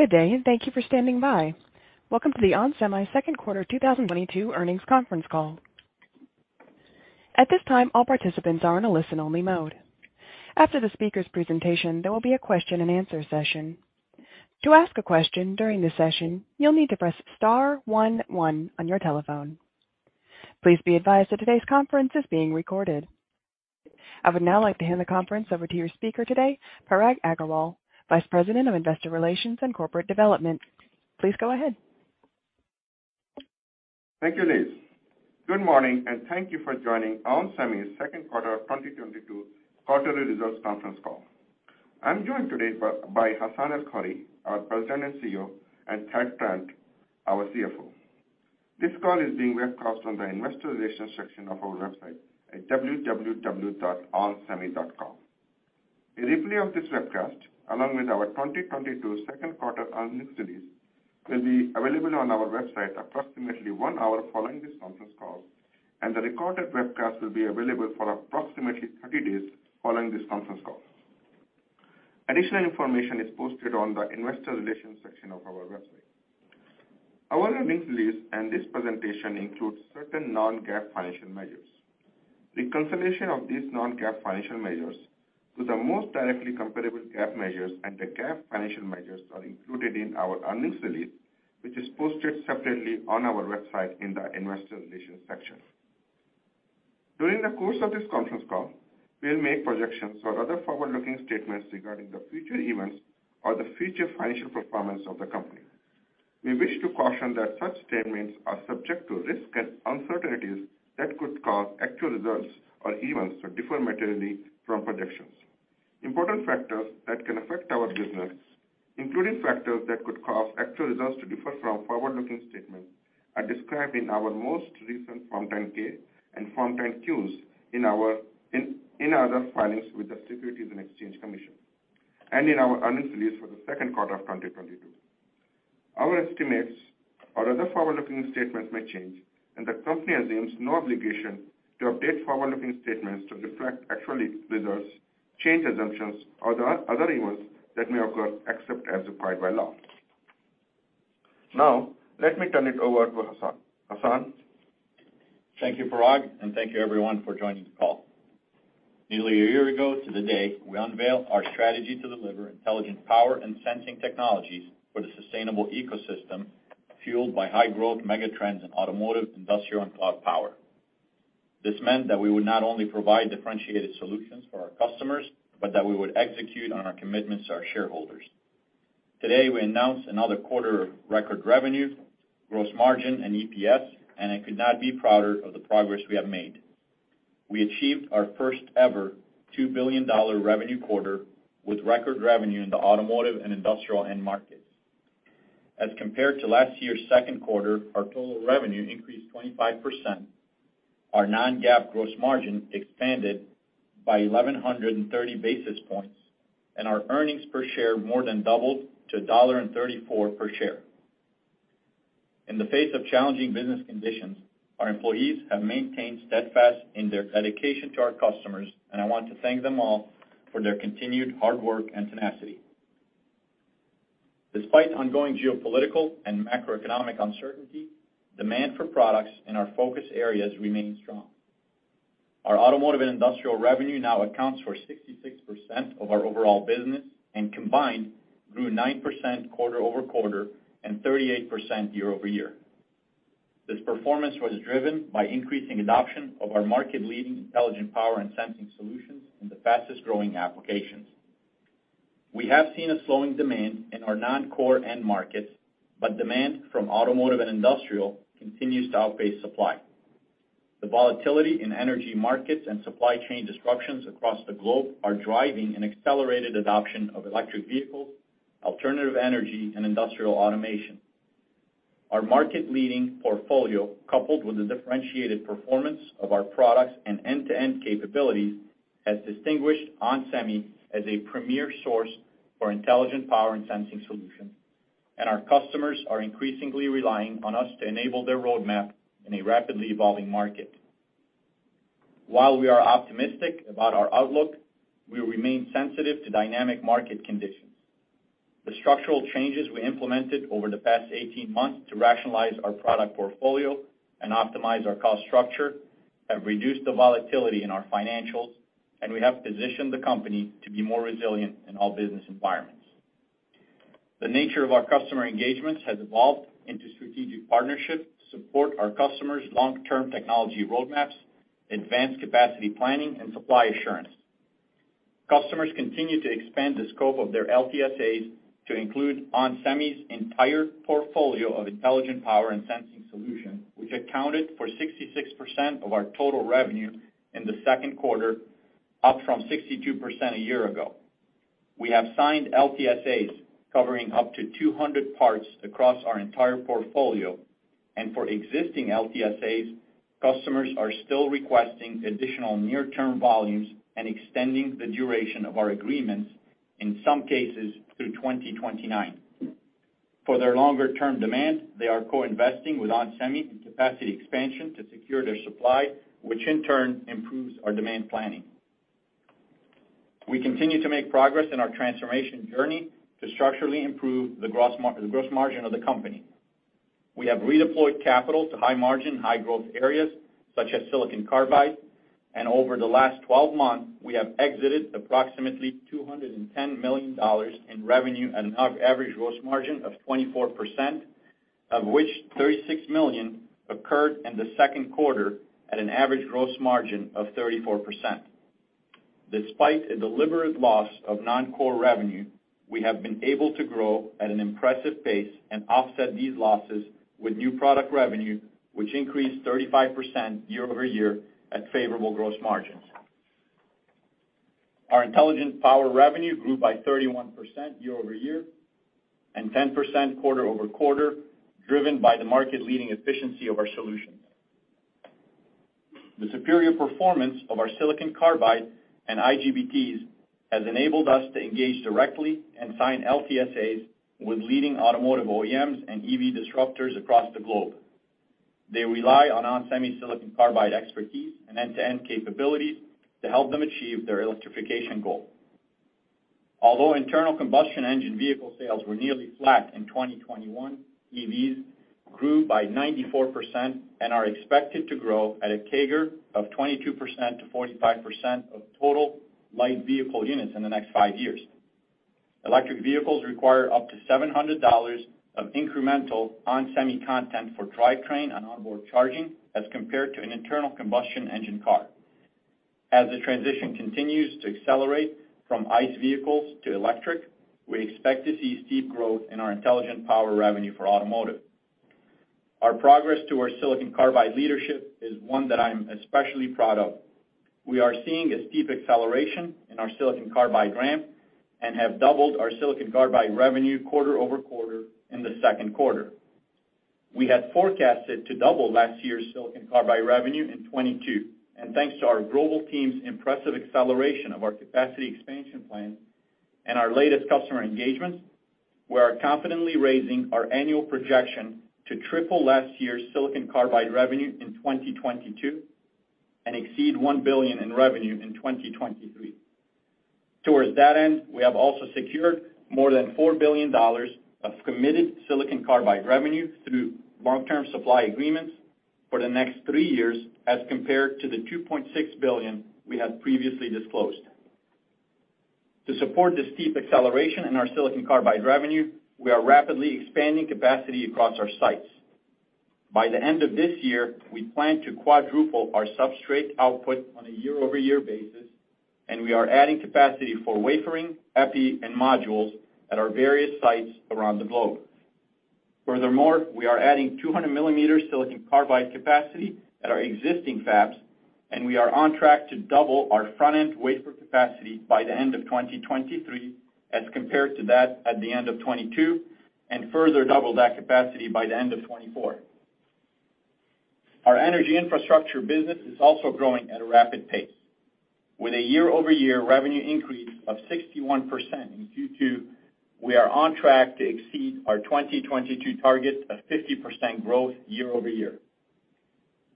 Good day, and thank you for standing by. Welcome to the onsemi Second Quarter 2022 Earnings Conference Call. At this time, all participants are in a listen-only mode. After the speaker's presentation, there will be a question-and-answer session. To ask a question during the session, you'll need to press star one one on your telephone. Please be advised that today's conference is being recorded. I would now like to hand the conference over to your speaker today, Parag Agarwal, Vice President of Investor Relations and Corporate Development. Please go ahead. Thank you, Liz. Good morning, and thank you for joining onsemi's second quarter 2022 quarterly results conference call. I'm joined today by Hassane El-Khoury, our President and CEO, and Thad Trent, our CFO. This call is being webcast on the investor relations section of our website at www.onsemi.com. A replay of this webcast, along with our 2022 second quarter earnings release, will be available on our website approximately one hour following this conference call, and the recorded webcast will be available for approximately 30 days following this conference call. Additional information is posted on the investor relations section of our website. Our earnings release and this presentation includes certain non-GAAP financial measures. Reconciliation of these non-GAAP financial measures to the most directly comparable GAAP measures and the GAAP financial measures are included in our earnings release, which is posted separately on our website in the investor relations section. During the course of this conference call, we'll make projections or other forward-looking statements regarding the future events or the future financial performance of the company. We wish to caution that such statements are subject to risks and uncertainties that could cause actual results or events to differ materially from projections. Important factors that can affect our business, including factors that could cause actual results to differ from forward-looking statement, are described in our most recent Form 10-K and Form 10-Qs in our other filings with the Securities and Exchange Commission, and in our earnings release for the second quarter of 2022. Our estimates or other forward-looking statements may change, and the company assumes no obligation to update forward-looking statements to reflect actual results, changed assumptions, or the other events that may occur, except as required by law. Now, let me turn it over to Hassane. Hassane? Thank you, Parag, and thank you everyone for joining the call. Nearly a year ago to the day, we unveiled our strategy to deliver intelligent power and sensing technologies for the sustainable ecosystem fueled by high growth megatrends in automotive, industrial, and cloud power. This meant that we would not only provide differentiated solutions for our customers, but that we would execute on our commitments to our shareholders. Today, we announce another quarter of record revenue, gross margin and EPS, and I could not be prouder of the progress we have made. We achieved our first-ever $2 billion revenue quarter with record revenue in the automotive and industrial end markets. As compared to last year's second quarter, our total revenue increased 25%, our non-GAAP gross margin expanded by 1,130 basis points, and our earnings per share more than doubled to $1.34 per share. In the face of challenging business conditions, our employees have maintained steadfast in their dedication to our customers, and I want to thank them all for their continued hard work and tenacity. Despite ongoing geopolitical and macroeconomic uncertainty, demand for products in our focus areas remains strong. Our automotive and industrial revenue now accounts for 66% of our overall business, and combined grew 9% quarter-over-quarter and 38% year-over-year. This performance was driven by increasing adoption of our market-leading intelligent power and sensing solutions in the fastest-growing applications. We have seen a slowing demand in our non-core end markets, but demand from automotive and industrial continues to outpace supply. The volatility in energy markets and supply chain disruptions across the globe are driving an accelerated adoption of electric vehicles, alternative energy, and industrial automation. Our market-leading portfolio, coupled with the differentiated performance of our products and end-to-end capabilities, has distinguished onsemi as a premier source for intelligent power and sensing solutions, and our customers are increasingly relying on us to enable their roadmap in a rapidly evolving market. While we are optimistic about our outlook, we remain sensitive to dynamic market conditions. The structural changes we implemented over the past 18 months to rationalize our product portfolio and optimize our cost structure have reduced the volatility in our financials, and we have positioned the company to be more resilient in all business environments. The nature of our customer engagements has evolved into strategic partnerships to support our customers' long-term technology roadmaps, advanced capacity planning, and supply assurance. Customers continue to expand the scope of their LTSAs to include onsemi's entire portfolio of intelligent power and sensing solutions, which accounted for 66% of our total revenue in the second quarter, up from 62% a year ago. We have signed LTSAs covering up to 200 parts across our entire portfolio, and for existing LTSAs, customers are still requesting additional near-term volumes and extending the duration of our agreements, in some cases through 2029. For their longer-term demand, they are co-investing with onsemi in capacity expansion to secure their supply, which in turn improves our demand planning. We continue to make progress in our transformation journey to structurally improve the gross margin of the company. We have redeployed capital to high margin, high growth areas such as silicon carbide, and over the last 12 months, we have exited approximately $210 million in revenue at an average gross margin of 24%, of which $36 million occurred in the second quarter at an average gross margin of 34%. Despite a deliberate loss of non-core revenue, we have been able to grow at an impressive pace and offset these losses with new product revenue, which increased 35% year-over-year at favorable gross margins. Our Intelligent Power revenue grew by 31% year-over-year, and 10% quarter-over-quarter, driven by the market-leading efficiency of our solutions. The superior performance of our silicon carbide and IGBTs has enabled us to engage directly and sign LTSAs with leading automotive OEMs and EV disruptors across the globe. They rely on onsemi silicon carbide expertise and end-to-end capabilities to help them achieve their electrification goal. Although internal combustion engine vehicle sales were nearly flat in 2021, EVs grew by 94% and are expected to grow at a CAGR of 22%-45% of total light vehicle units in the next five years. Electric vehicles require up to $700 of incremental onsemi content for drivetrain and onboard charging as compared to an internal combustion engine car. As the transition continues to accelerate from ICE vehicles to electric, we expect to see steep growth in our Intelligent Power revenue for automotive. Our progress to our silicon carbide leadership is one that I am especially proud of. We are seeing a steep acceleration in our silicon carbide ramp and have doubled our silicon carbide revenue quarter over quarter in the second quarter. We had forecasted to double last year's silicon carbide revenue in 2022, and thanks to our global team's impressive acceleration of our capacity expansion plan and our latest customer engagements, we are confidently raising our annual projection to triple last year's silicon carbide revenue in 2022 and exceed $1 billion in revenue in 2023. Towards that end, we have also secured more than $4 billion of committed silicon carbide revenue through long-term supply agreements for the next three years as compared to the $2.6 billion we had previously disclosed. To support the steep acceleration in our silicon carbide revenue, we are rapidly expanding capacity across our sites. By the end of this year, we plan to quadruple our substrate output on a year-over-year basis, and we are adding capacity for wafering, epi, and modules at our various sites around the globe. Furthermore, we are adding 200 mm silicon carbide capacity at our existing fabs, and we are on track to double our front-end wafer capacity by the end of 2023 as compared to that at the end of 2022, and further double that capacity by the end of 2024. Our energy infrastructure business is also growing at a rapid pace. With a year-over-year revenue increase of 61% in Q2, we are on track to exceed our 2022 target of 50% growth year over year.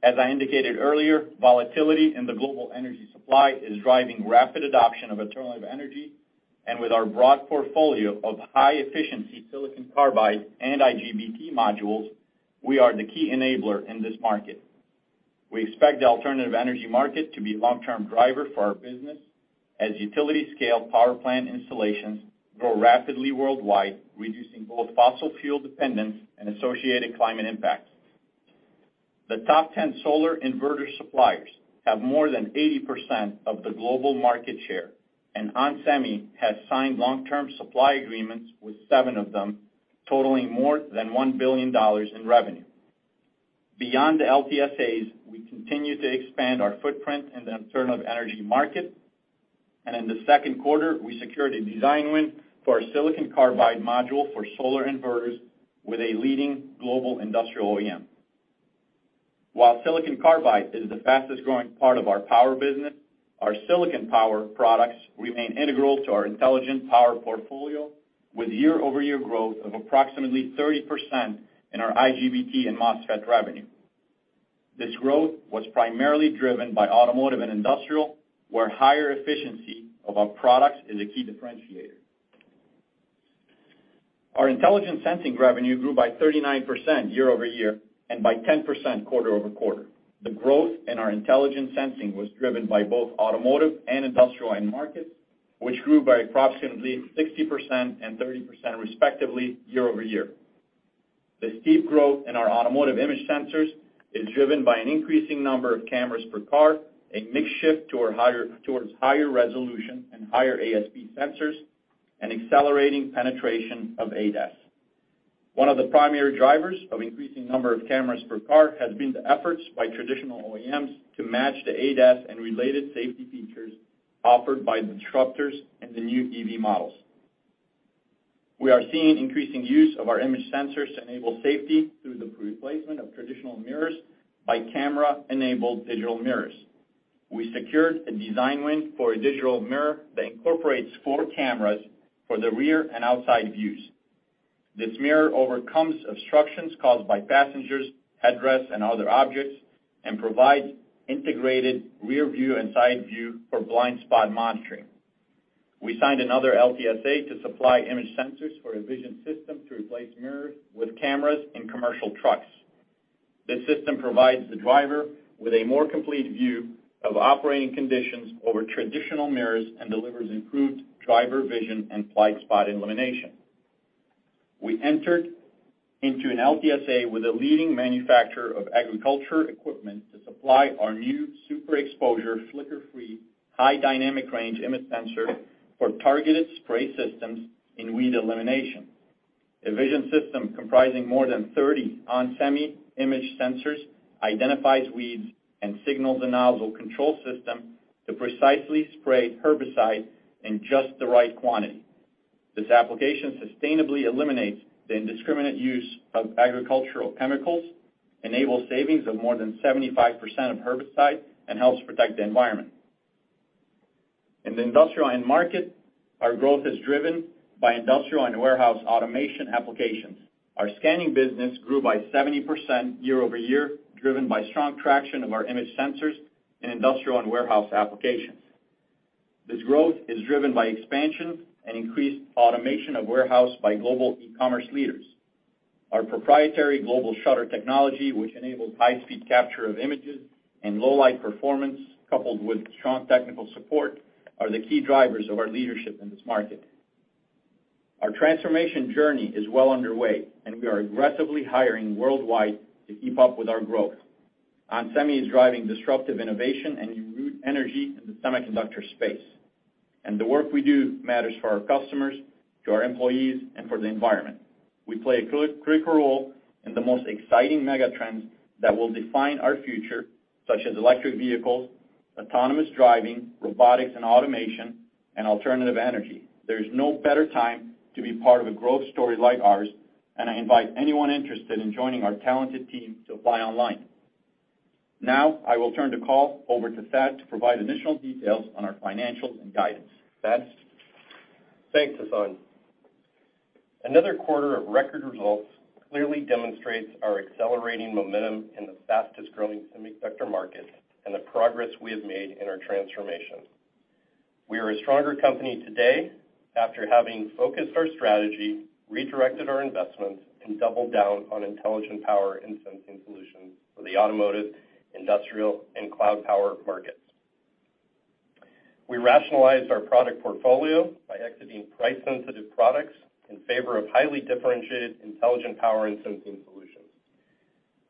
As I indicated earlier, volatility in the global energy supply is driving rapid adoption of alternative energy, and with our broad portfolio of high efficiency silicon carbide and IGBT modules, we are the key enabler in this market. We expect the alternative energy market to be a long-term driver for our business as utility scale power plant installations grow rapidly worldwide, reducing both fossil fuel dependence and associated climate impacts. The top ten solar inverter suppliers have more than 80% of the global market share, and onsemi has signed long-term supply agreements with seven of them, totaling more than $1 billion in revenue. Beyond the LTSAs, we continue to expand our footprint in the alternative energy market. In the second quarter, we secured a design win for our silicon carbide module for solar inverters with a leading global industrial OEM. While silicon carbide is the fastest growing part of our power business, our silicon power products remain integral to our intelligent power portfolio with year-over-year growth of approximately 30% in our IGBT and MOSFET revenue. This growth was primarily driven by automotive and industrial, where higher efficiency of our products is a key differentiator. Our Intelligent Sensing revenue grew by 39% year-over-year and by 10% quarter-over-quarter. The growth in our Intelligent Sensing was driven by both automotive and industrial end markets, which grew by approximately 60% and 30% respectively year-over-year. The steep growth in our automotive image sensors is driven by an increasing number of cameras per car, a mix shift towards higher resolution and higher ASP sensors, and accelerating penetration of ADAS. One of the primary drivers of increasing number of cameras per car has been the efforts by traditional OEMs to match the ADAS and related safety features offered by disruptors in the new EV models. We are seeing increasing use of our image sensors to enable safety through the replacement of traditional mirrors by camera-enabled digital mirrors. We secured a design win for a digital mirror that incorporates four cameras for the rear and outside views. This mirror overcomes obstructions caused by passengers, headrests, and other objects, and provides integrated rear view and side view for blind spot monitoring. We signed another LTSA to supply image sensors for a vision system to replace mirrors with cameras in commercial trucks. This system provides the driver with a more complete view of operating conditions over traditional mirrors and delivers improved driver vision and blind spot elimination. We entered into an LTSA with a leading manufacturer of agriculture equipment to supply our new Super-Exposure, flicker-free, high dynamic range image sensor for targeted spray systems in weed elimination. A vision system comprising more than 30 onsemi image sensors identifies weeds and signals the nozzle control system to precisely spray herbicide in just the right quantity. This application sustainably eliminates the indiscriminate use of agricultural chemicals, enables savings of more than 75% of herbicide, and helps protect the environment. In the industrial end market, our growth is driven by industrial and warehouse automation applications. Our scanning business grew by 70% year-over-year, driven by strong traction of our image sensors in industrial and warehouse applications. This growth is driven by expansion and increased automation of warehouse by global e-commerce leaders. Our proprietary global shutter technology, which enables high-speed capture of images and low light performance coupled with strong technical support, are the key drivers of our leadership in this market. Our transformation journey is well underway and we are aggressively hiring worldwide to keep up with our growth. Onsemi is driving disruptive innovation and new energy in the semiconductor space. The work we do matters for our customers, to our employees, and for the environment. We play a critical role in the most exciting mega trends that will define our future, such as electric vehicles, autonomous driving, robotics and automation, and alternative energy. There is no better time to be part of a growth story like ours, and I invite anyone interested in joining our talented team to apply online. Now, I will turn the call over to Thad to provide additional details on our financials and guidance. Thad? Thanks, Hassane. Another quarter of record results clearly demonstrates our accelerating momentum in the fastest-growing semiconductor market and the progress we have made in our transformation. We are a stronger company today after having focused our strategy, redirected our investments, and doubled down on Intelligent Power and Sensing solutions for the automotive, industrial, and cloud power markets. We rationalized our product portfolio by exiting price-sensitive products in favor of highly differentiated Intelligent Power and Sensing solutions.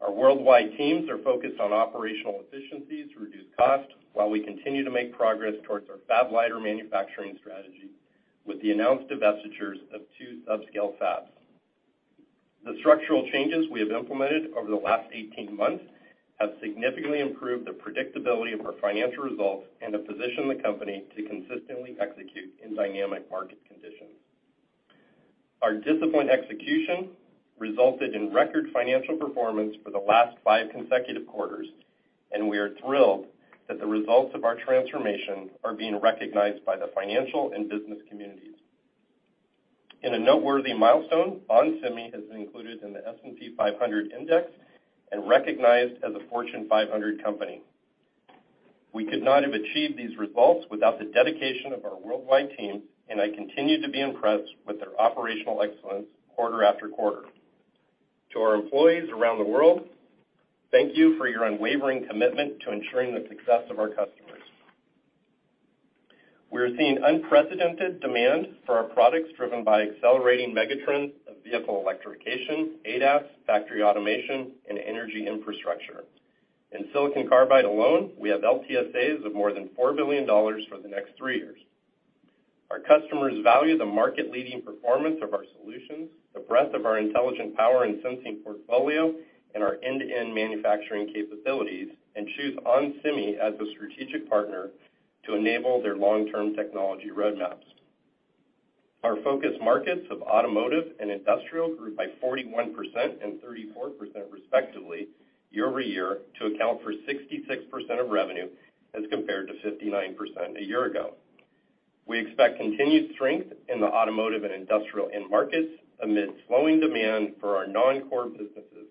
Our worldwide teams are focused on operational efficiencies to reduce costs while we continue to make progress towards our fab-lite manufacturing strategy with the announced divestitures of two subscale fabs. The structural changes we have implemented over the last 18 months have significantly improved the predictability of our financial results and have positioned the company to consistently execute in dynamic market conditions. Our disciplined execution resulted in record financial performance for the last five consecutive quarters, and we are thrilled that the results of our transformation are being recognized by the financial and business communities. In a noteworthy milestone, onsemi has been included in the S&P 500 index and recognized as a Fortune 500 company. We could not have achieved these results without the dedication of our worldwide team, and I continue to be impressed with their operational excellence quarter after quarter. To our employees around the world, thank you for your unwavering commitment to ensuring the success of our customers. We are seeing unprecedented demand for our products driven by accelerating megatrends of vehicle electrification, ADAS, factory automation, and energy infrastructure. In silicon carbide alone, we have LTSAs of more than $4 billion for the next three years. Our customers value the market-leading performance of our solutions, the breadth of our Intelligent Power and Sensing portfolio, and our end-to-end manufacturing capabilities, and choose onsemi as the strategic partner to enable their long-term technology roadmaps. Our focus markets of automotive and industrial grew by 41% and 34% respectively year-over-year to account for 66% of revenue as compared to 59% a year ago. We expect continued strength in the automotive and industrial end markets amid slowing demand for our non-core businesses,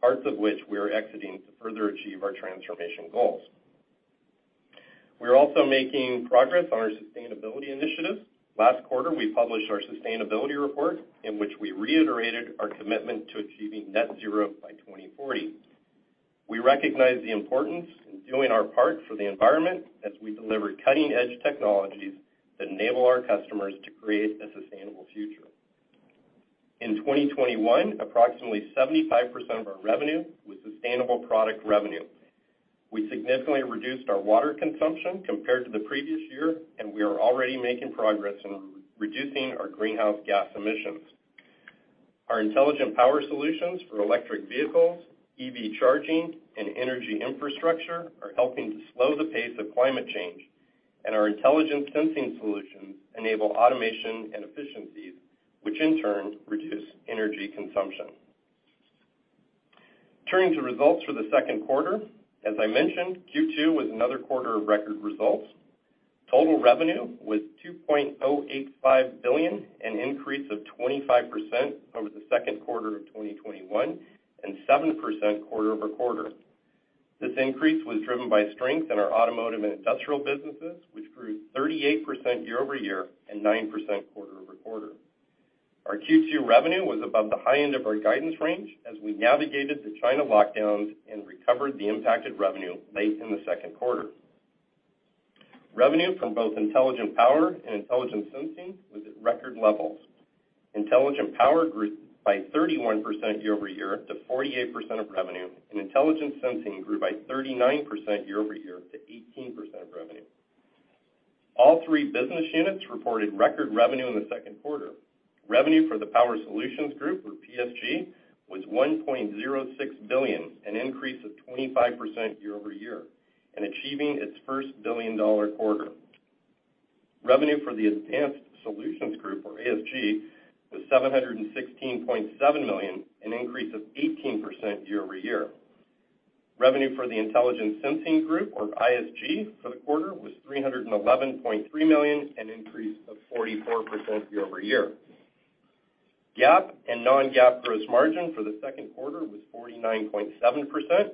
parts of which we are exiting to further achieve our transformation goals. We are also making progress on our sustainability initiatives. Last quarter, we published our sustainability report, in which we reiterated our commitment to achieving net zero by 2040. We recognize the importance in doing our part for the environment as we deliver cutting-edge technologies that enable our customers to create a sustainable future. In 2021, approximately 75% of our revenue was sustainable product revenue. We significantly reduced our water consumption compared to the previous year, and we are already making progress in reducing our greenhouse gas emissions. Our Intelligent Power solutions for electric vehicles, EV charging, and energy infrastructure are helping to slow the pace of climate change, and our Intelligent Sensing solutions enable automation and efficiencies, which in turn reduce energy consumption. Turning to results for the second quarter. As I mentioned, Q2 was another quarter of record results. Total revenue was $2.085 billion, an increase of 25% over the second quarter of 2021 and 7% quarter-over-quarter. This increase was driven by strength in our automotive and industrial businesses, which grew 38% year-over-year and 9% quarter-over-quarter. Our Q2 revenue was above the high end of our guidance range as we navigated the China lockdowns and recovered the impacted revenue late in the second quarter. Revenue from both Intelligent Power and Intelligent Sensing was at record levels. Intelligent Power grew by 31% year-over-year to 48% of revenue, and Intelligent Sensing grew by 39% year-over-year to 18% of revenue. All three business units reported record revenue in the second quarter. Revenue for the Power Solutions Group, or PSG, was $1.06 billion, an increase of 25% year-over-year, and achieving its first billion-dollar quarter. Revenue for the Advanced Solutions Group, or ASG, was $716.7 million, an increase of 18% year-over-year. Revenue for the Intelligent Sensing Group, or ISG, for the quarter was $311.3 million, an increase of 44% year-over-year. GAAP and non-GAAP gross margin for the second quarter was 49.7%.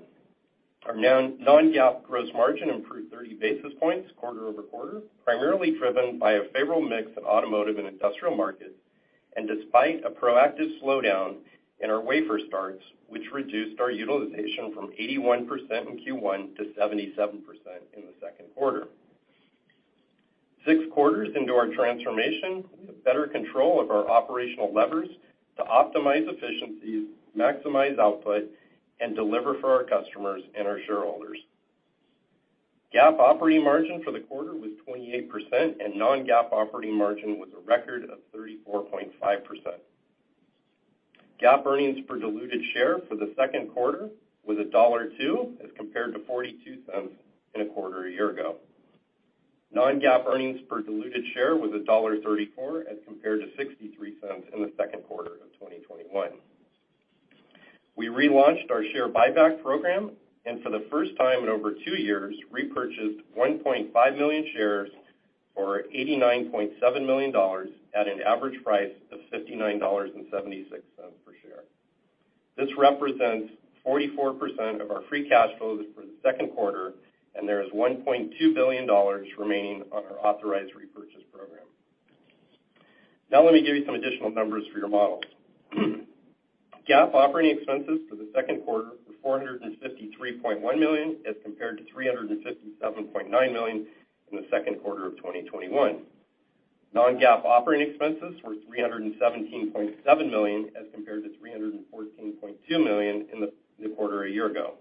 Our non-GAAP gross margin improved 30 basis points quarter-over-quarter, primarily driven by a favorable mix of automotive and industrial markets and despite a proactive slowdown in our wafer starts, which reduced our utilization from 81% in Q1 to 77% in the second quarter. Six quarters into our transformation, we have better control of our operational levers to optimize efficiencies, maximize output, and deliver for our customers and our shareholders. GAAP operating margin for the quarter was 28%, and non-GAAP operating margin was a record of 34.5%. GAAP earnings per diluted share for the second quarter was $2 as compared to $0.42 in the quarter a year ago. Non-GAAP earnings per diluted share was $1.34 as compared to $0.63 in the second quarter of 2021. We relaunched our share buyback program, and for the first time in over two years, repurchased 1.5 million shares for $89.7 million at an average price of $59.76 per share. This represents 44% of our free cash flows for the second quarter, and there is $1.2 billion remaining on our authorized repurchase program. Now let me give you some additional numbers for your models. GAAP operating expenses for the second quarter were $453.1 million as compared to $357.9 million in the second quarter of 2021. Non-GAAP operating expenses were $317.7 million as compared to $314.2 million in the quarter a year ago.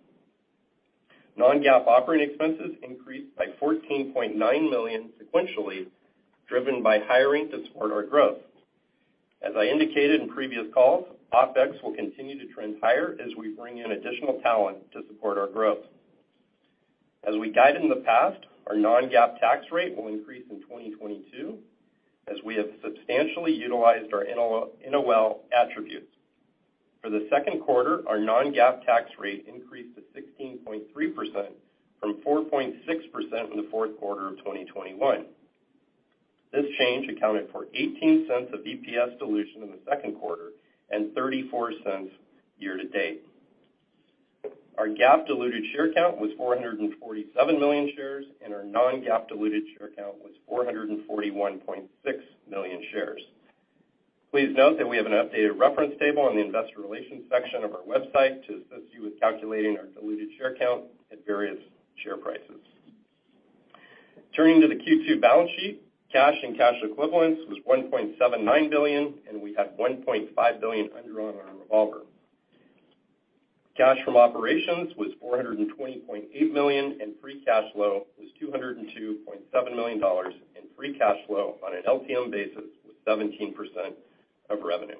Non-GAAP operating expenses increased by $14.9 million sequentially, driven by hiring to support our growth. As I indicated in previous calls, OpEx will continue to trend higher as we bring in additional talent to support our growth. As we guided in the past, our non-GAAP tax rate will increase in 2022 as we have substantially utilized our NOL attributes. For the second quarter, our non-GAAP tax rate increased to 16.3% from 4.6% in the fourth quarter of 2021. This change accounted for $0.18 of EPS dilution in the second quarter and $0.34 year to date. Our GAAP diluted share count was 447 million shares, and our non-GAAP diluted share count was 441.6 million shares. Please note that we have an updated reference table in the investor relations section of our website to assist you with calculating our diluted share count at various share prices. Turning to the Q2 balance sheet, cash and cash equivalents was $1.79 billion, and we had $1.5 billion undrawn on our revolver. Cash from operations was $420.8 million, and free cash flow was $202.7 million dollars, and free cash flow on an LTM basis was 17% of revenue.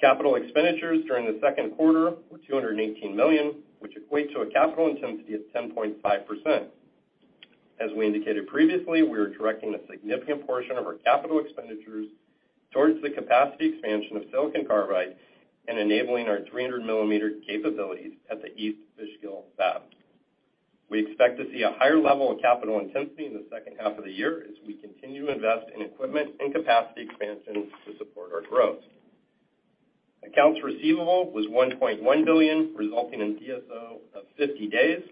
Capital expenditures during the second quarter were $218 million, which equates to a capital intensity of 10.5%. As we indicated previously, we are directing a significant portion of our capital expenditures towards the capacity expansion of silicon carbide and enabling our 300 mm capabilities at the East Fishkill fab. We expect to see a higher level of capital intensity in the second half of the year as we continue to invest in equipment and capacity expansion to support our growth. Accounts receivable was $1.1 billion, resulting in DSO of 50 days.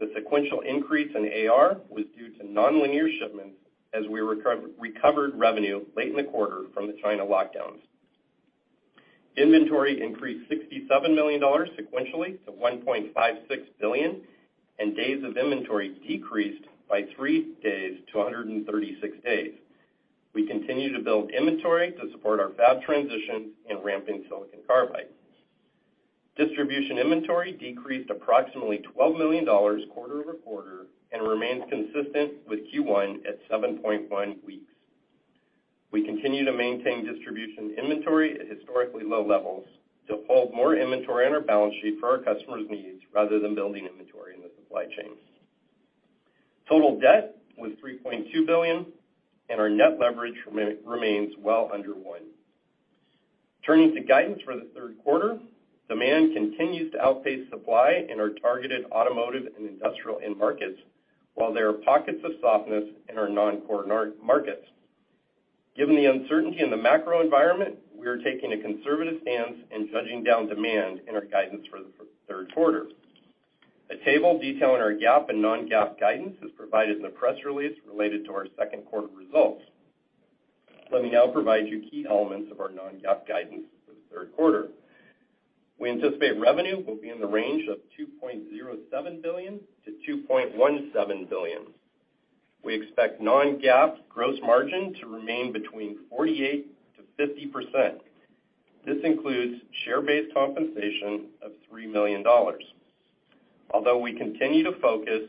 The sequential increase in AR was due to nonlinear shipments as we recovered revenue late in the quarter from the China lockdowns. Inventory increased $67 million sequentially to $1.56 billion, and days of inventory decreased by three days to 136 days. We continue to build inventory to support our fab transition and ramping silicon carbide. Distribution inventory decreased approximately $12 million quarter over quarter and remains consistent with Q1 at 7.1 weeks. We continue to maintain distribution inventory at historically low levels to hold more inventory on our balance sheet for our customers' needs rather than building inventory in the supply chains. Total debt was $3.2 billion and our net leverage remains well under one. Turning to guidance for the third quarter, demand continues to outpace supply in our targeted automotive and industrial end markets, while there are pockets of softness in our non-core markets. Given the uncertainty in the macro environment, we are taking a conservative stance in judging down demand in our guidance for the third quarter. A table detailing our GAAP and non-GAAP guidance is provided in the press release related to our second quarter results. Let me now provide you key elements of our non-GAAP guidance for the third quarter. We anticipate revenue will be in the range of $2.07 billion-$2.17 billion. We expect non-GAAP gross margin to remain between 48%-50%. This includes share-based compensation of $3 million. Although we continue to focus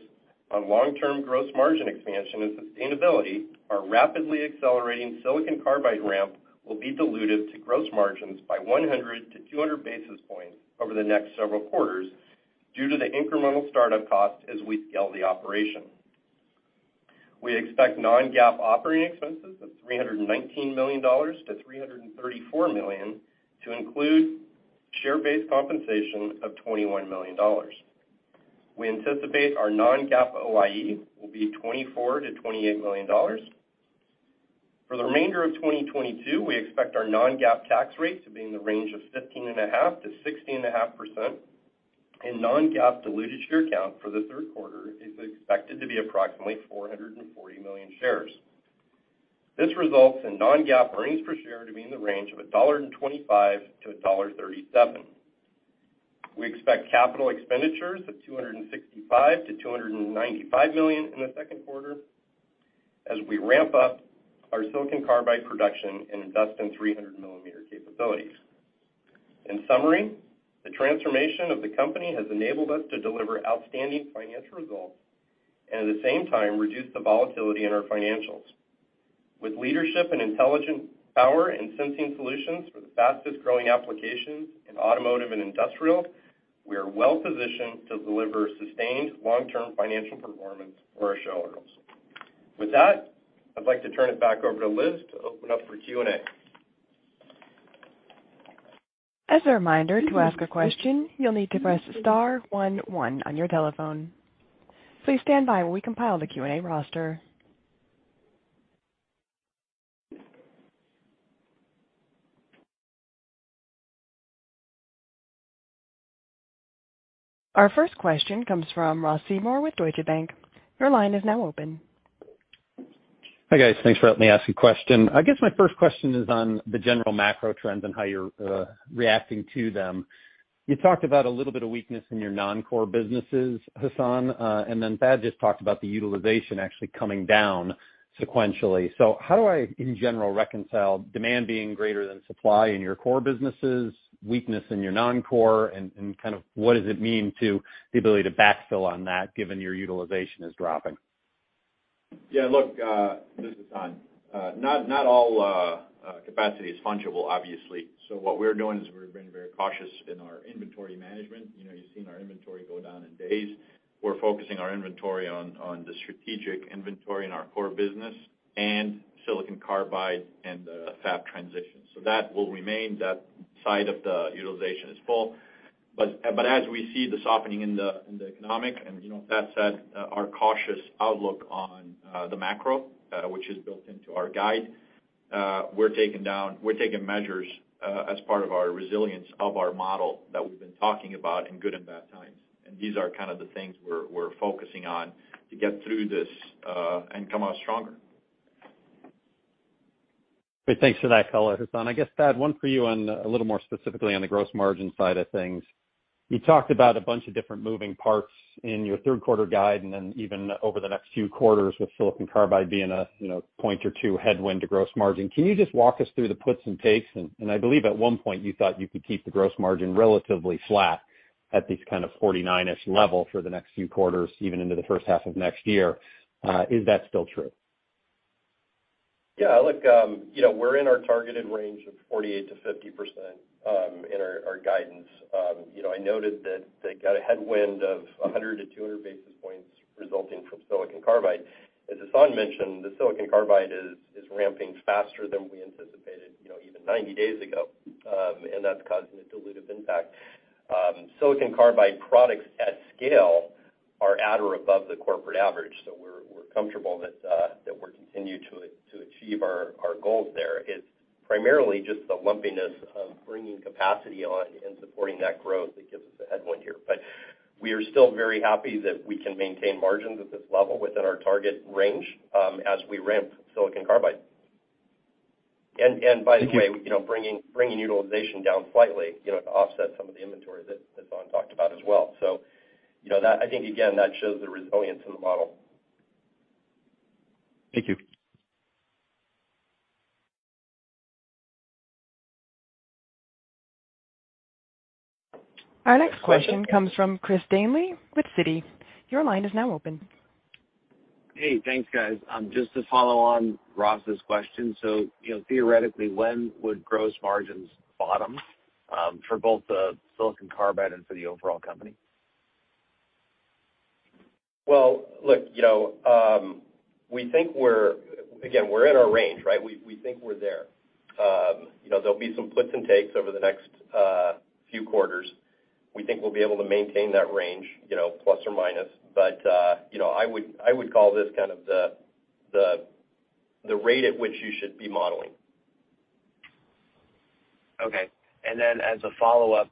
on long-term gross margin expansion and sustainability, our rapidly accelerating silicon carbide ramp will be dilutive to gross margins by 100 basis points-200 basis points over the next several quarters due to the incremental startup costs as we scale the operation. We expect non-GAAP operating expenses of $319 million-$334 million to include share-based compensation of $21 million. We anticipate our non-GAAP OIE will be $24 million-$28 million. For the remainder of 2022, we expect our non-GAAP tax rate to be in the range of 15.5%-16.5%, and non-GAAP diluted share count for the third quarter is expected to be approximately 440 million shares. This results in non-GAAP earnings per share to be in the range of $1.25-$1.37. We expect capital expenditures of $265 million-$295 million in the second quarter as we ramp up our silicon carbide production and invest in 300 mm capabilities. In summary, the transformation of the company has enabled us to deliver outstanding financial results and at the same time reduce the volatility in our financials. With leadership in intelligent power and sensing solutions for the fastest-growing applications in automotive and industrial, we are well positioned to deliver sustained long-term financial performance for our shareholders. With that, I'd like to turn it back over to Liz to open up for Q&A. As a reminder, to ask a question, you'll need to press star one one on your telephone. Please stand by while we compile the Q&A roster. Our first question comes from Ross Seymore with Deutsche Bank. Your line is now open. Hi, guys. Thanks for letting me ask a question. I guess my first question is on the general macro trends and how you're reacting to them. You talked about a little bit of weakness in your non-core businesses, Hassane, and then Thad just talked about the utilization actually coming down sequentially. How do I, in general, reconcile demand being greater than supply in your core businesses, weakness in your non-core, and kind of what does it mean to the ability to backfill on that given your utilization is dropping? Yeah, look, this is Hassane. Not all capacity is fungible, obviously. What we're doing is we're being very cautious in our inventory management. You know, you've seen our inventory go down in days. We're focusing our inventory on the strategic inventory in our core business and silicon carbide and fab transition. That will remain. That side of the utilization is full. As we see the softening in the economy, and you know, Thad said, our cautious outlook on the macro, which is built into our guide, we're taking measures, as part of our resilience of our model that we've been talking about in good and bad times. These are kind of the things we're focusing on to get through this and come out stronger. Great. Thanks for that color, Hassane. I guess, Thad, one for you on a little more specifically on the gross margin side of things. You talked about a bunch of different moving parts in your third quarter guide, and then even over the next few quarters with silicon carbide being a, you know, point or two headwind to gross margin. Can you just walk us through the puts and takes? I believe at one point you thought you could keep the gross margin relatively flat at this kind of 49-ish level for the next few quarters, even into the first half of next year. Is that still true? Yeah, look, you know, we're in our targeted range of 48%-50% in our guidance. You know, I noted that they got a headwind of 100 basis points-200 basis points resulting from silicon carbide. As Hassane mentioned, the silicon carbide is ramping faster than we anticipated, you know, even 90 days ago, and that's causing a dilutive impact. Silicon carbide products at scale are at or above the corporate average, so we're comfortable that we're continue to achieve our goals there. It's primarily just the lumpiness of bringing capacity on and supporting that growth that gives us a headwind here. We are still very happy that we can maintain margins at this level within our target range as we ramp silicon carbide. By the way, you know, bringing utilization down slightly, you know, to offset some of the inventory that Hassane talked about as well. You know, that I think again, that shows the resilience in the model. Thank you. Our next question comes from Chris Danely with Citi. Your line is now open. Hey, thanks, guys. Just to follow on Ross's question. You know, theoretically, when would gross margins bottom? For both the silicon carbide and for the overall company? Well, look, you know, again, we're in our range, right? We think we're there. You know, there'll be some puts and takes over the next few quarters. We think we'll be able to maintain that range, you know, plus or minus. You know, I would call this kind of the rate at which you should be modeling. Okay. As a follow-up,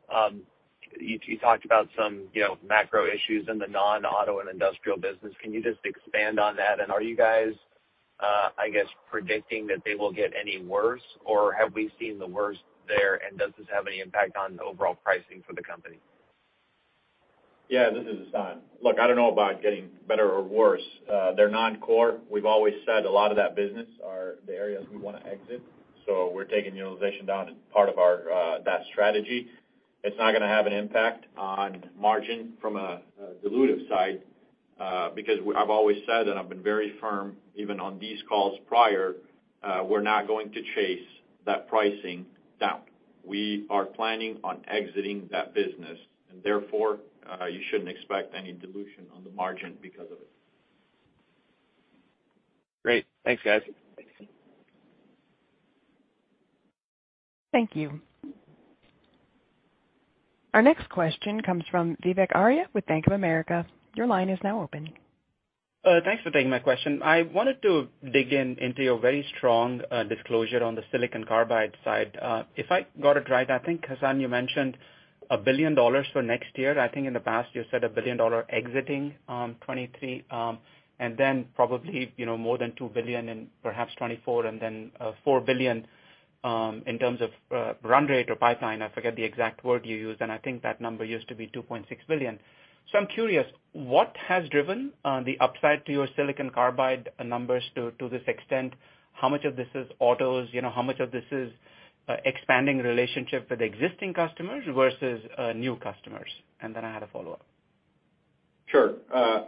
you talked about some, you know, macro issues in the non-auto and industrial business. Can you just expand on that? Are you guys, I guess, predicting that they will get any worse, or have we seen the worst there, and does this have any impact on the overall pricing for the company? Yeah, this is Hassane. Look, I don't know about getting better or worse. They're non-core. We've always said a lot of that business are the areas we wanna exit. We're taking utilization down as part of our that strategy. It's not gonna have an impact on margin from a dilutive side because I've always said, and I've been very firm, even on these calls prior, we're not going to chase that pricing down. We are planning on exiting that business, and therefore, you shouldn't expect any dilution on the margin because of it. Great. Thanks, guys. Thanks. Thank you. Our next question comes from Vivek Arya with Bank of America. Your line is now open. Thanks for taking my question. I wanted to dig into your very strong disclosure on the silicon carbide side. If I got it right, I think, Hassane, you mentioned $1 billion for next year. I think in the past you said $1 billion exiting 2023, and then probably, you know, more than $2 billion in perhaps 2024 and then $4 billion in terms of run rate or pipeline, I forget the exact word you used, and I think that number used to be $2.6 billion. I'm curious, what has driven the upside to your silicon carbide numbers to this extent? How much of this is autos? You know, how much of this is expanding relationship with existing customers versus new customers? And then I had a follow-up. Sure.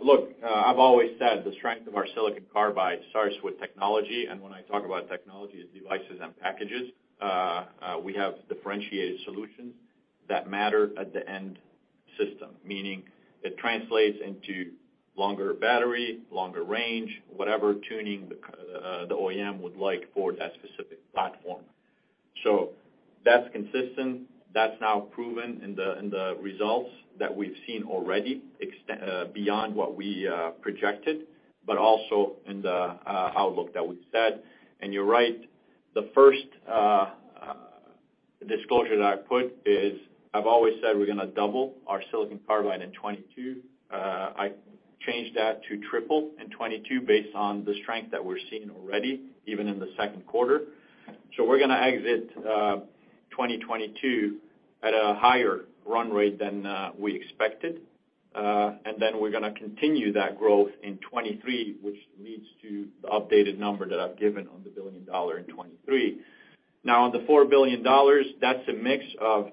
Look, I've always said the strength of our silicon carbide starts with technology, and when I talk about technology, it's devices and packages. We have differentiated solutions that matter at the end system, meaning it translates into longer battery, longer range, whatever tuning the OEM would like for that specific platform. So that's consistent. That's now proven in the results that we've seen already beyond what we projected, but also in the outlook that we've set. You're right, the first disclosure that I put is I've always said we're gonna double our silicon carbide in 2022. I changed that to triple in 2022 based on the strength that we're seeing already, even in the second quarter. We're gonna exit 2022 at a higher run rate than we expected, and then we're gonna continue that growth in 2023, which leads to the updated number that I've given on the $1 billion in 2023. Now, on the $4 billion, that's a mix of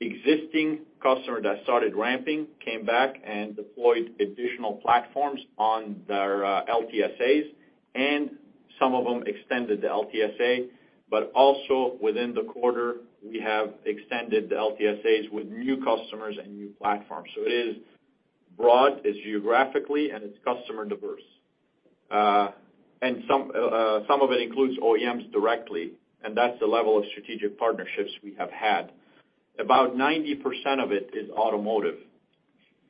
existing customer that started ramping, came back and deployed additional platforms on their LTSAs, and some of them extended the LTSA. Also, within the quarter, we have extended the LTSAs with new customers and new platforms. It is broad, it's geographically, and it's customer diverse. Some of it includes OEMs directly, and that's the level of strategic partnerships we have had. About 90% of it is automotive.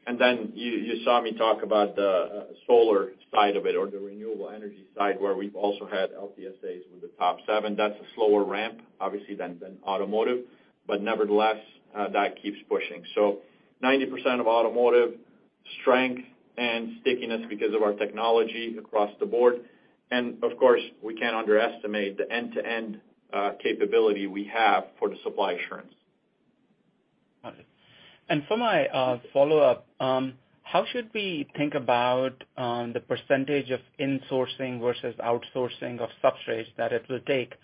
You saw me talk about the solar side of it or the renewable energy side, where we've also had LTSAs with the top seven. That's a slower ramp, obviously, than automotive, but nevertheless, that keeps pushing. 90% of automotive strength and stickiness because of our technology across the board, and of course, we can't underestimate the end-to-end capability we have for the supply assurance. Got it. For my follow-up, how should we think about the percentage of insourcing versus outsourcing of substrates that it will take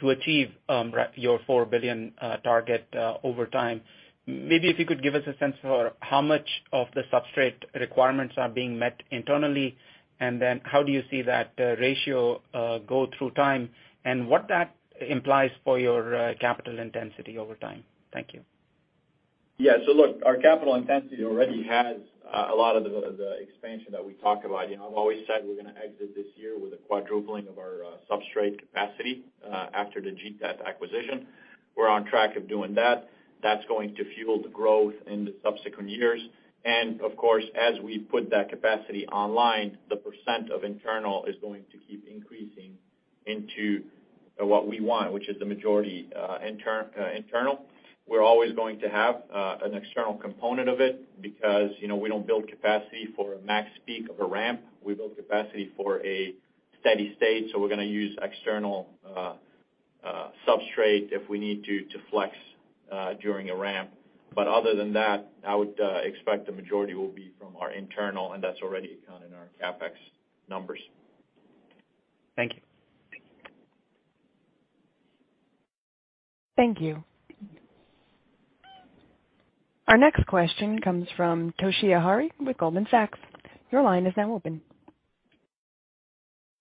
to achieve your $4 billion target over time? Maybe if you could give us a sense for how much of the substrate requirements are being met internally, and then how do you see that ratio go through time, and what that implies for your capital intensity over time? Thank you. Yeah. Look, our capital intensity already has a lot of the expansion that we talked about. You know, I've always said we're gonna exit this year with a quadrupling of our substrate capacity after the GTAT acquisition. We're on track to do that. That's going to fuel the growth in the subsequent years. Of course, as we put that capacity online, the percent of internal is going to keep increasing into what we want, which is the majority internal. We're always going to have an external component of it because, you know, we don't build capacity for a max peak of a ramp. We build capacity for a steady state, so we're gonna use external substrate if we need to flex during a ramp. Other than that, I would expect the majority will be from our internal, and that's already accounted in our CapEx numbers. Thank you. Thank you. Our next question comes from Toshiya Hari with Goldman Sachs. Your line is now open.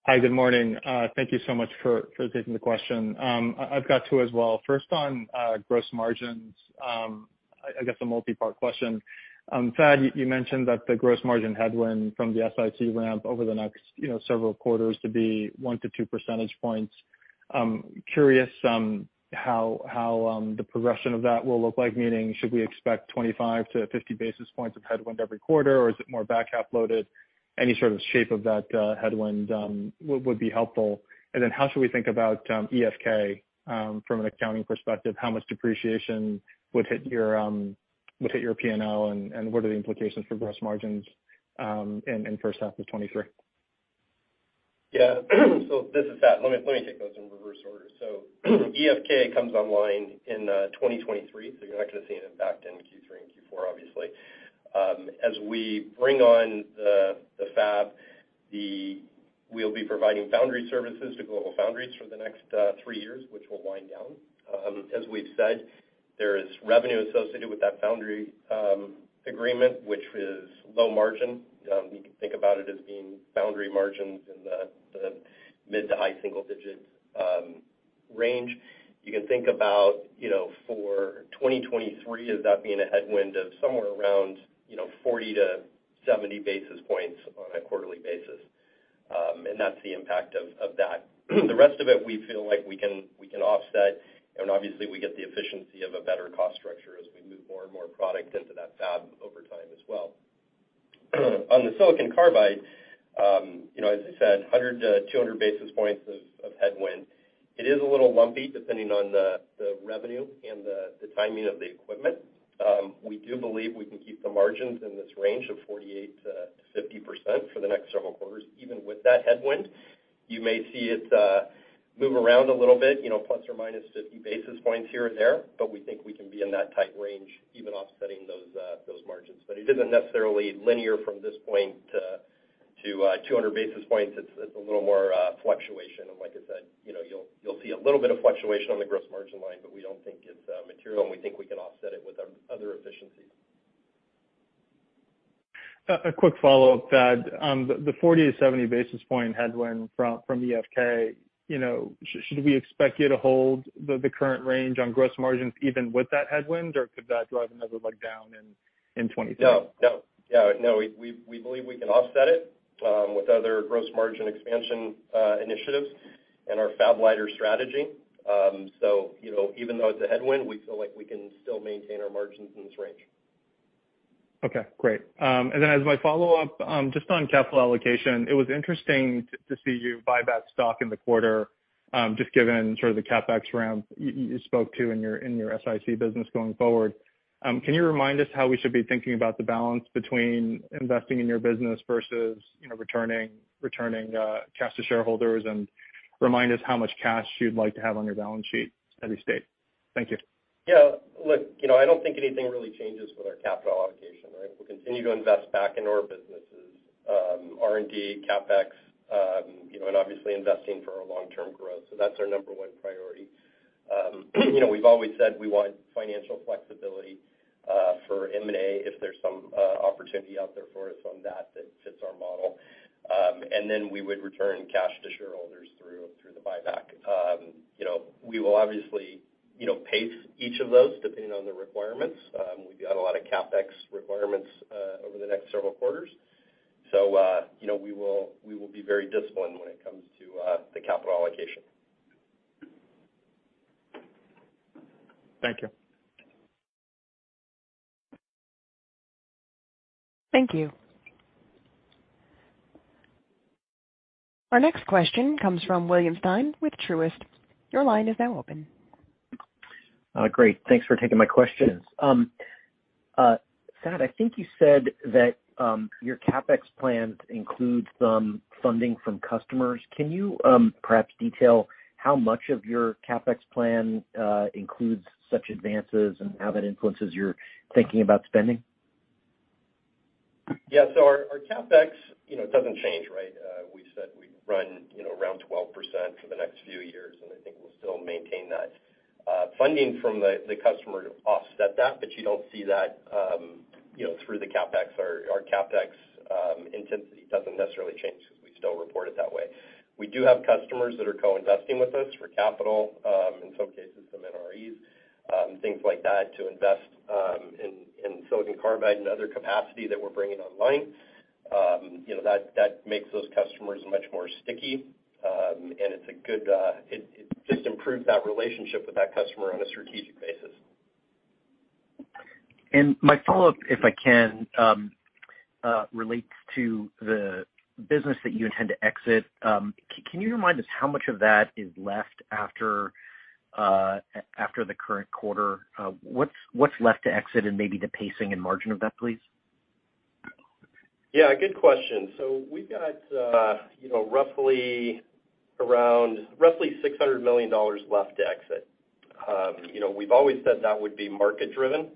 Hi, good morning. Thank you so much for taking the question. I've got two as well. First on gross margins, I guess a multipart question. Thad, you mentioned that the gross margin headwind from the SiC ramp over the next, you know, several quarters to be 1 percentage points-2 percentage points. Curious how the progression of that will look like. Meaning, should we expect 25 basis points-50 basis points of headwind every quarter, or is it more back-half loaded? Any sort of shape of that headwind would be helpful. Then how should we think about EFK from an accounting perspective? How much depreciation would hit your P&L, and what are the implications for gross margins in first half of 2023? Yeah. This is Thad. Let me take those in reverse order. EFK comes online in 2023, so you're not gonna see it impact in Q3 and Q4, obviously. As we bring on the fab, we'll be providing foundry services to GlobalFoundries for the next three years, which will wind down. As we've said, there is revenue associated with that foundry agreement, which is low margin. You can think about it as being foundry margins in the mid- to high single digits range. You can think about, you know, for 2023 as that being a headwind of somewhere around, you know, 40 basis points-70 basis points on a quarterly basis. That's the impact of that. The rest of it, we feel like we can offset, and obviously we get the efficiency of a better cost structure as we move more and more product into that fab over time as well. On the silicon carbide, you know, as I said, 100 basis points-200 basis points of headwind. It is a little lumpy depending on the revenue and the timing of the equipment. We do believe we can keep the margins in this range of 48%-50% for the next several quarters, even with that headwind. You may see it move around a little bit, you know, ±50 basis points here and there, but we think we can be in that tight range, even offsetting those margins. It isn't necessarily linear from this point to 200 basis points. It's a little more fluctuation. Like I said, you know, you'll see a little bit of fluctuation on the gross margin line, but we don't think it's material, and we think we can offset it with our other efficiencies. A quick follow-up, Thad. The 40 basis pionts-70 basis points headwind from EFK, you know, should we expect you to hold the current range on gross margins even with that headwind, or could that drive another leg down in 2023? No, we believe we can offset it with other gross margin expansion initiatives and our fab-lighter strategy. You know, even though it's a headwind, we feel like we can still maintain our margins in this range. Okay, great. Then as my follow-up, just on capital allocation, it was interesting to see you buy back stock in the quarter, just given sort of the CapEx ramp you spoke to in your SiC business going forward. Can you remind us how we should be thinking about the balance between investing in your business versus, you know, returning cash to shareholders? Remind us how much cash you'd like to have on your balance sheet at any stage. Thank you. Yeah. Look, you know, I don't think anything really changes with our capital allocation, right? We'll continue to invest back into our businesses, R&D, CapEx, you know, and obviously investing for our long-term growth. That's our number one priority. You know, we've always said we want financial flexibility for M&A if there's some opportunity out there for us on that fits our model. Then we would return cash to shareholders through the buyback. You know, we will obviously pace each of those depending on the requirements. We've got a lot of CapEx requirements over the next several quarters. You know, we will be very disciplined when it comes to the capital allocation. Thank you. Thank you. Our next question comes from William Stein with Truist. Your line is now open. Great. Thanks for taking my questions. Thad, I think you said that your CapEx plans include some funding from customers. Can you perhaps detail how much of your CapEx plan includes such advances and how that influences your thinking about spending? Our CapEx, you know, it doesn't change, right? We said we'd run, you know, around 12% for the next few years, and I think we'll still maintain that. Funding from the customer to offset that, but you don't see that through the CapEx. Our CapEx intensity doesn't necessarily change 'cause we still report it that way. We do have customers that are co-investing with us for capital, in some cases some NREs, things like that, to invest in silicon carbide and other capacity that we're bringing online. That makes those customers much more sticky. It just improves that relationship with that customer on a strategic basis. My follow-up, if I can, relates to the business that you intend to exit. Can you remind us how much of that is left after the current quarter? What's left to exit and maybe the pacing and margin of that, please? Yeah, good question. We've got, you know, roughly $600 million left to exit. You know, we've always said that would be market driven.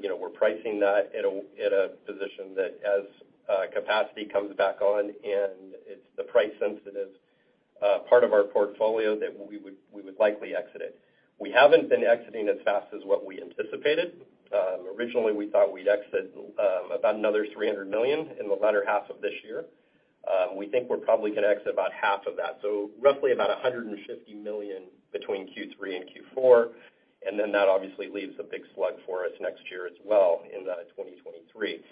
You know, we're pricing that at a position that as capacity comes back on and it's the price sensitivity. Part of our portfolio that we would likely exit it. We haven't been exiting as fast as we anticipated. Originally, we thought we'd exit about another $300 million in the latter half of this year. We think we're probably gonna exit about half of that, so roughly about $150 million between Q3 and Q4, and then that obviously leaves a big slug for us next year as well in 2023.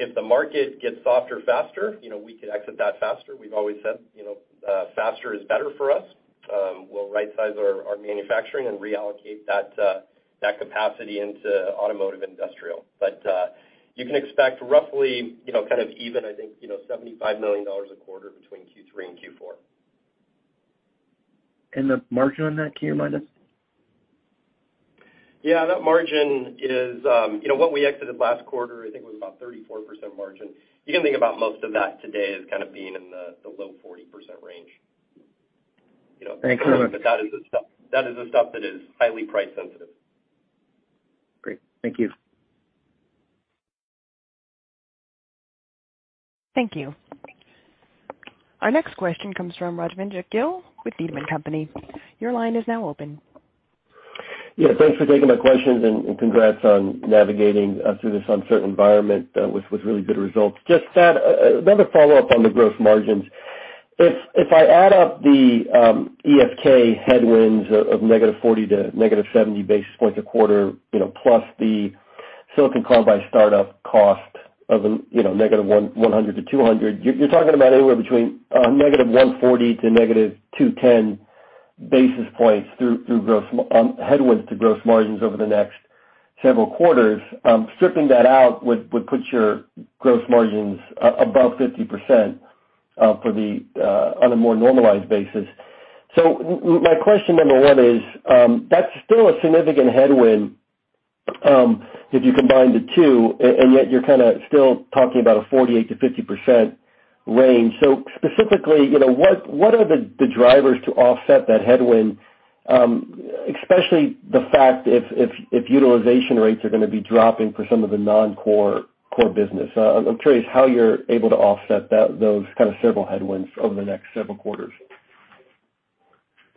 If the market gets softer faster, you know, we could exit that faster. We've always said, you know, faster is better for us. We'll rightsize our manufacturing and reallocate that capacity into automotive industrial. You can expect roughly, you know, kind of even, I think, you know, $75 million a quarter between Q3 and Q4. The margin on that, can you remind us? Yeah. That margin is, you know, what we exited last quarter, I think was about 34% margin. You can think about most of that today as kind of being in the low 40% range. You know. Thanks so much. That is the stuff that is highly price sensitive. Great. Thank you. Thank you. Our next question comes from Rajvindra Gill with Needham & Company. Your line is now open. Yeah, thanks for taking my questions and congrats on navigating through this uncertain environment with really good results. Just that, another follow-up on the gross margins. If I add up the EFK headwinds of -40 basis points to -70 basis points a quarter, you know, plus the silicon carbide startup cost of, you know, -100 basis points to -200 basis points, you're talking about anywhere between -140 basis points to -210 basis points through gross headwinds to gross margins over the next several quarters. Stripping that out would put your gross margins above 50%, for the on a more normalized basis. My question, number one is, that's still a significant headwind, if you combine the two, and yet you're kinda still talking about a 48%-50% range. Specifically, you know, what are the drivers to offset that headwind, especially the fact if utilization rates are gonna be dropping for some of the core business? I'm curious how you're able to offset those kind of several headwinds over the next several quarters.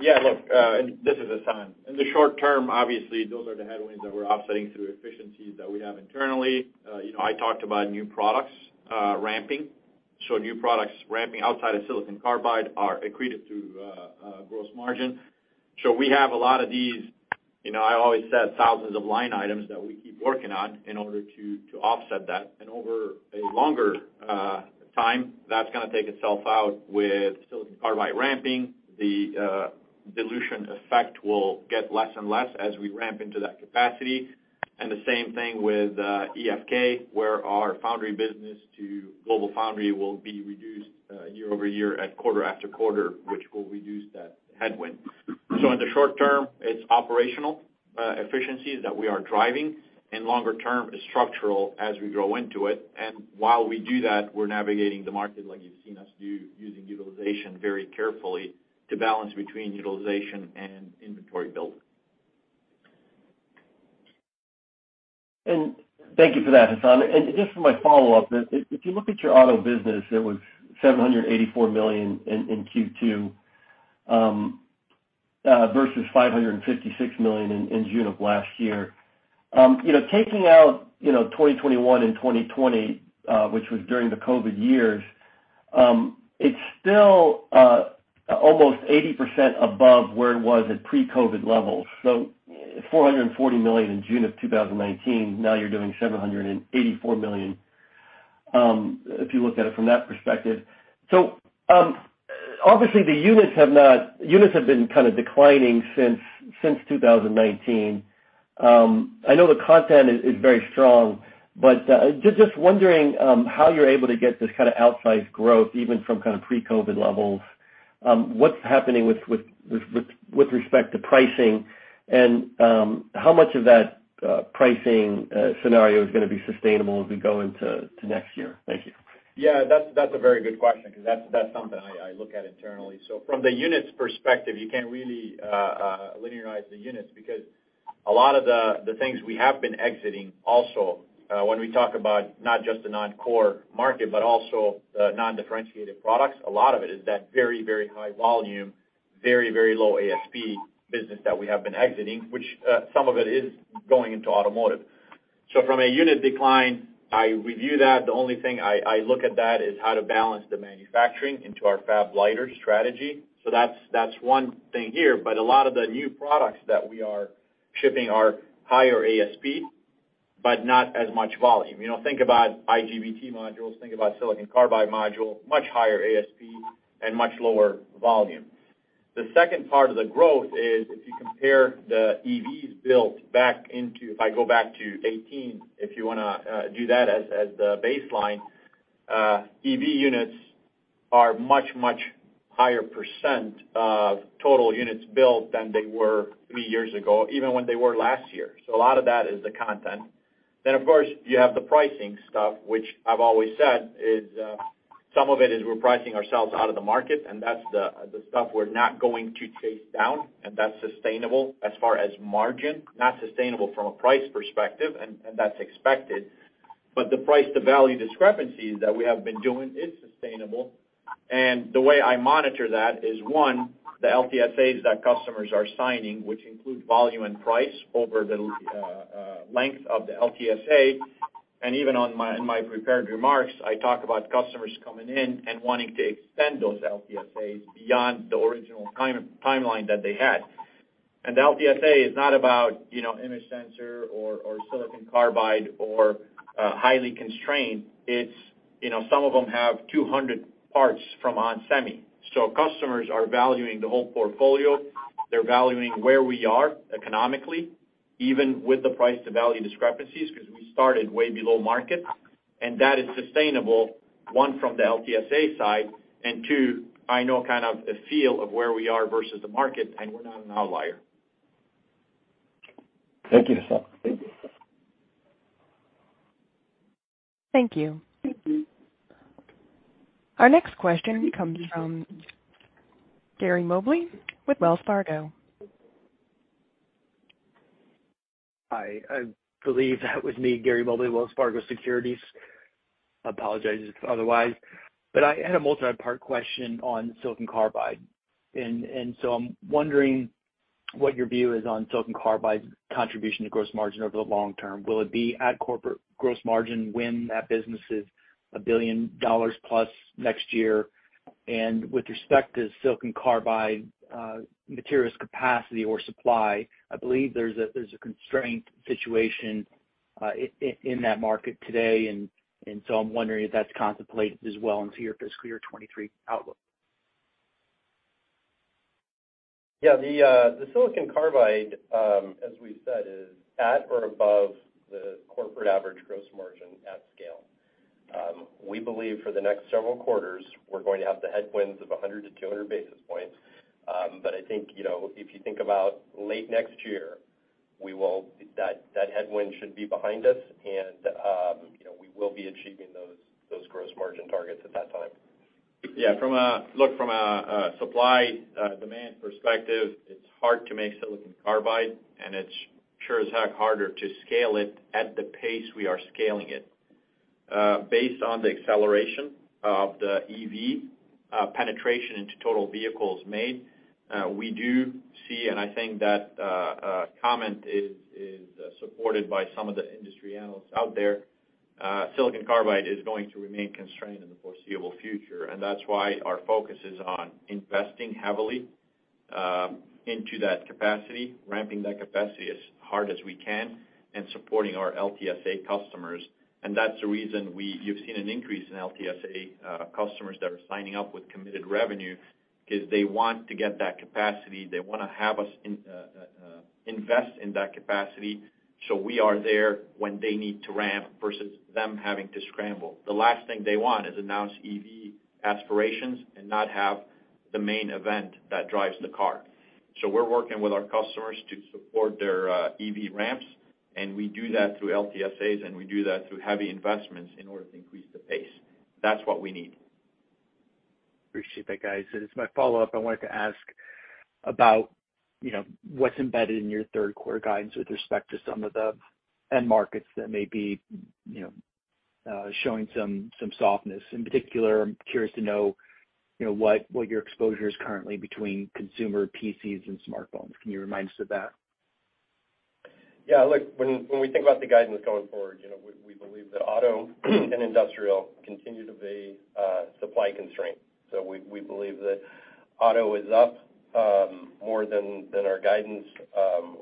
Yeah. Look, and this is Hassane. In the short term, obviously those are the headwinds that we're offsetting through efficiencies that we have internally. You know, I talked about new products ramping. New products ramping outside of silicon carbide are accretive to gross margin. We have a lot of these. You know, I always said thousands of line items that we keep working on in order to offset that. Over a longer time, that's gonna take itself out with silicon carbide ramping. The dilution effect will get less and less as we ramp into that capacity. The same thing with EFK, where our foundry business to GlobalFoundries will be reduced year-over-year at quarter after quarter, which will reduce that headwind. In the short term, it's operational efficiencies that we are driving, and longer term is structural as we grow into it. While we do that, we're navigating the market like you've seen us do using utilization very carefully to balance between utilization and inventory building. Thank you for that, Hassane. Just for my follow-up, if you look at your auto business, it was $784 million in Q2 versus $556 million in June of last year. You know, taking out 2021 and 2020, which was during the COVID years, it's still almost 80% above where it was at pre-COVID levels. $440 million in June 2019, now you're doing $784 million, if you look at it from that perspective. Obviously, units have been kind of declining since 2019. I know the content is very strong, but just wondering how you're able to get this kind of outsized growth even from kind of pre-COVID levels. What's happening with respect to pricing and how much of that pricing scenario is gonna be sustainable as we go into next year? Thank you. Yeah, that's a very good question 'cause that's something I look at internally. From the units perspective, you can't really linearize the units because a lot of the things we have been exiting also when we talk about not just the non-core market but also non-differentiated products, a lot of it is that very, very high volume, very, very low ASP business that we have been exiting, which some of it is going into automotive. From a unit decline, I review that. The only thing I look at that is how to balance the manufacturing into our fab-liter strategy. That's one thing here. A lot of the new products that we are shipping are higher ASP, but not as much volume. You know, think about IGBT modules, think about silicon carbide module, much higher ASP and much lower volume. The second part of the growth is if you compare the EVs built, if I go back to 18, if you wanna do that as the baseline, EV units are much higher percent of total units built than they were three years ago, even when they were last year. A lot of that is the content. Of course, you have the pricing stuff, which I've always said is, some of it is we're pricing ourselves out of the market and that's the stuff we're not going to chase down and that's sustainable as far as margin. Not sustainable from a price perspective, and that's expected. The price to value discrepancies that we have been doing is sustainable. The way I monitor that is, one, the LTSAs that customers are signing, which include volume and price over the length of the LTSA. Even in my prepared remarks, I talk about customers coming in and wanting to extend those LTSAs beyond the original time-timeline that they had. The LTSA is not about, you know, image sensor or silicon carbide or highly constrained. It's, you know, some of them have 200 parts from onsemi. So customers are valuing the whole portfolio. They're valuing where we are economically, even with the price to value discrepancies, because we started way below market. That is sustainable, one, from the LTSA side, and two, I know kind of the feel of where we are versus the market, and we're not an outlier. Thank you, Sir. Thank you. Our next question comes from Gary Mobley with Wells Fargo. Hi. I believe that was me, Gary Mobley, Wells Fargo Securities. Apologize if otherwise. I had a multi-part question on silicon carbide. I'm wondering what your view is on silicon carbide contribution to gross margin over the long term. Will it be at corporate gross margin when that business is $1 billion+ next year? With respect to silicon carbide, materials capacity or supply, I believe there's a constraint situation in that market today. I'm wondering if that's contemplated as well into your fiscal year 2023 outlook. Yeah. The silicon carbide, as we said, is at or above the corporate average gross margin at scale. We believe for the next several quarters, we're going to have the headwinds of 100 basis points-200 basis points. I think, you know, if you think about late next year, that headwind should be behind us and, you know, we will be achieving those gross margin targets at that time. Yeah. Look, from a supply demand perspective, it's hard to make silicon carbide, and it's sure as heck harder to scale it at the pace we are scaling it. Based on the acceleration of the EV penetration into total vehicles made, we do see, and I think that comment is supported by some of the industry analysts out there, silicon carbide is going to remain constrained in the foreseeable future. That's why our focus is on investing heavily into that capacity, ramping that capacity as hard as we can, and supporting our LTSA customers. That's the reason you've seen an increase in LTSA customers that are signing up with committed revenue, because they want to get that capacity. They wanna have us invest in that capacity, so we are there when they need to ramp versus them having to scramble. The last thing they want is announce EV aspirations and not have the main event that drives the car. We're working with our customers to support their EV ramps, and we do that through LTSAs, and we do that through heavy investments in order to increase the pace. That's what we need. Appreciate that, guys. As my follow-up, I wanted to ask about, you know, what's embedded in your third quarter guidance with respect to some of the end markets that may be, you know, showing some softness. In particular, I'm curious to know, you know, what your exposure is currently between consumer PCs and smartphones. Can you remind us of that? Yeah. Look, when we think about the guidance going forward, you know, we believe that auto and industrial continue to be supply constrained. So we believe that auto is up more than our guidance.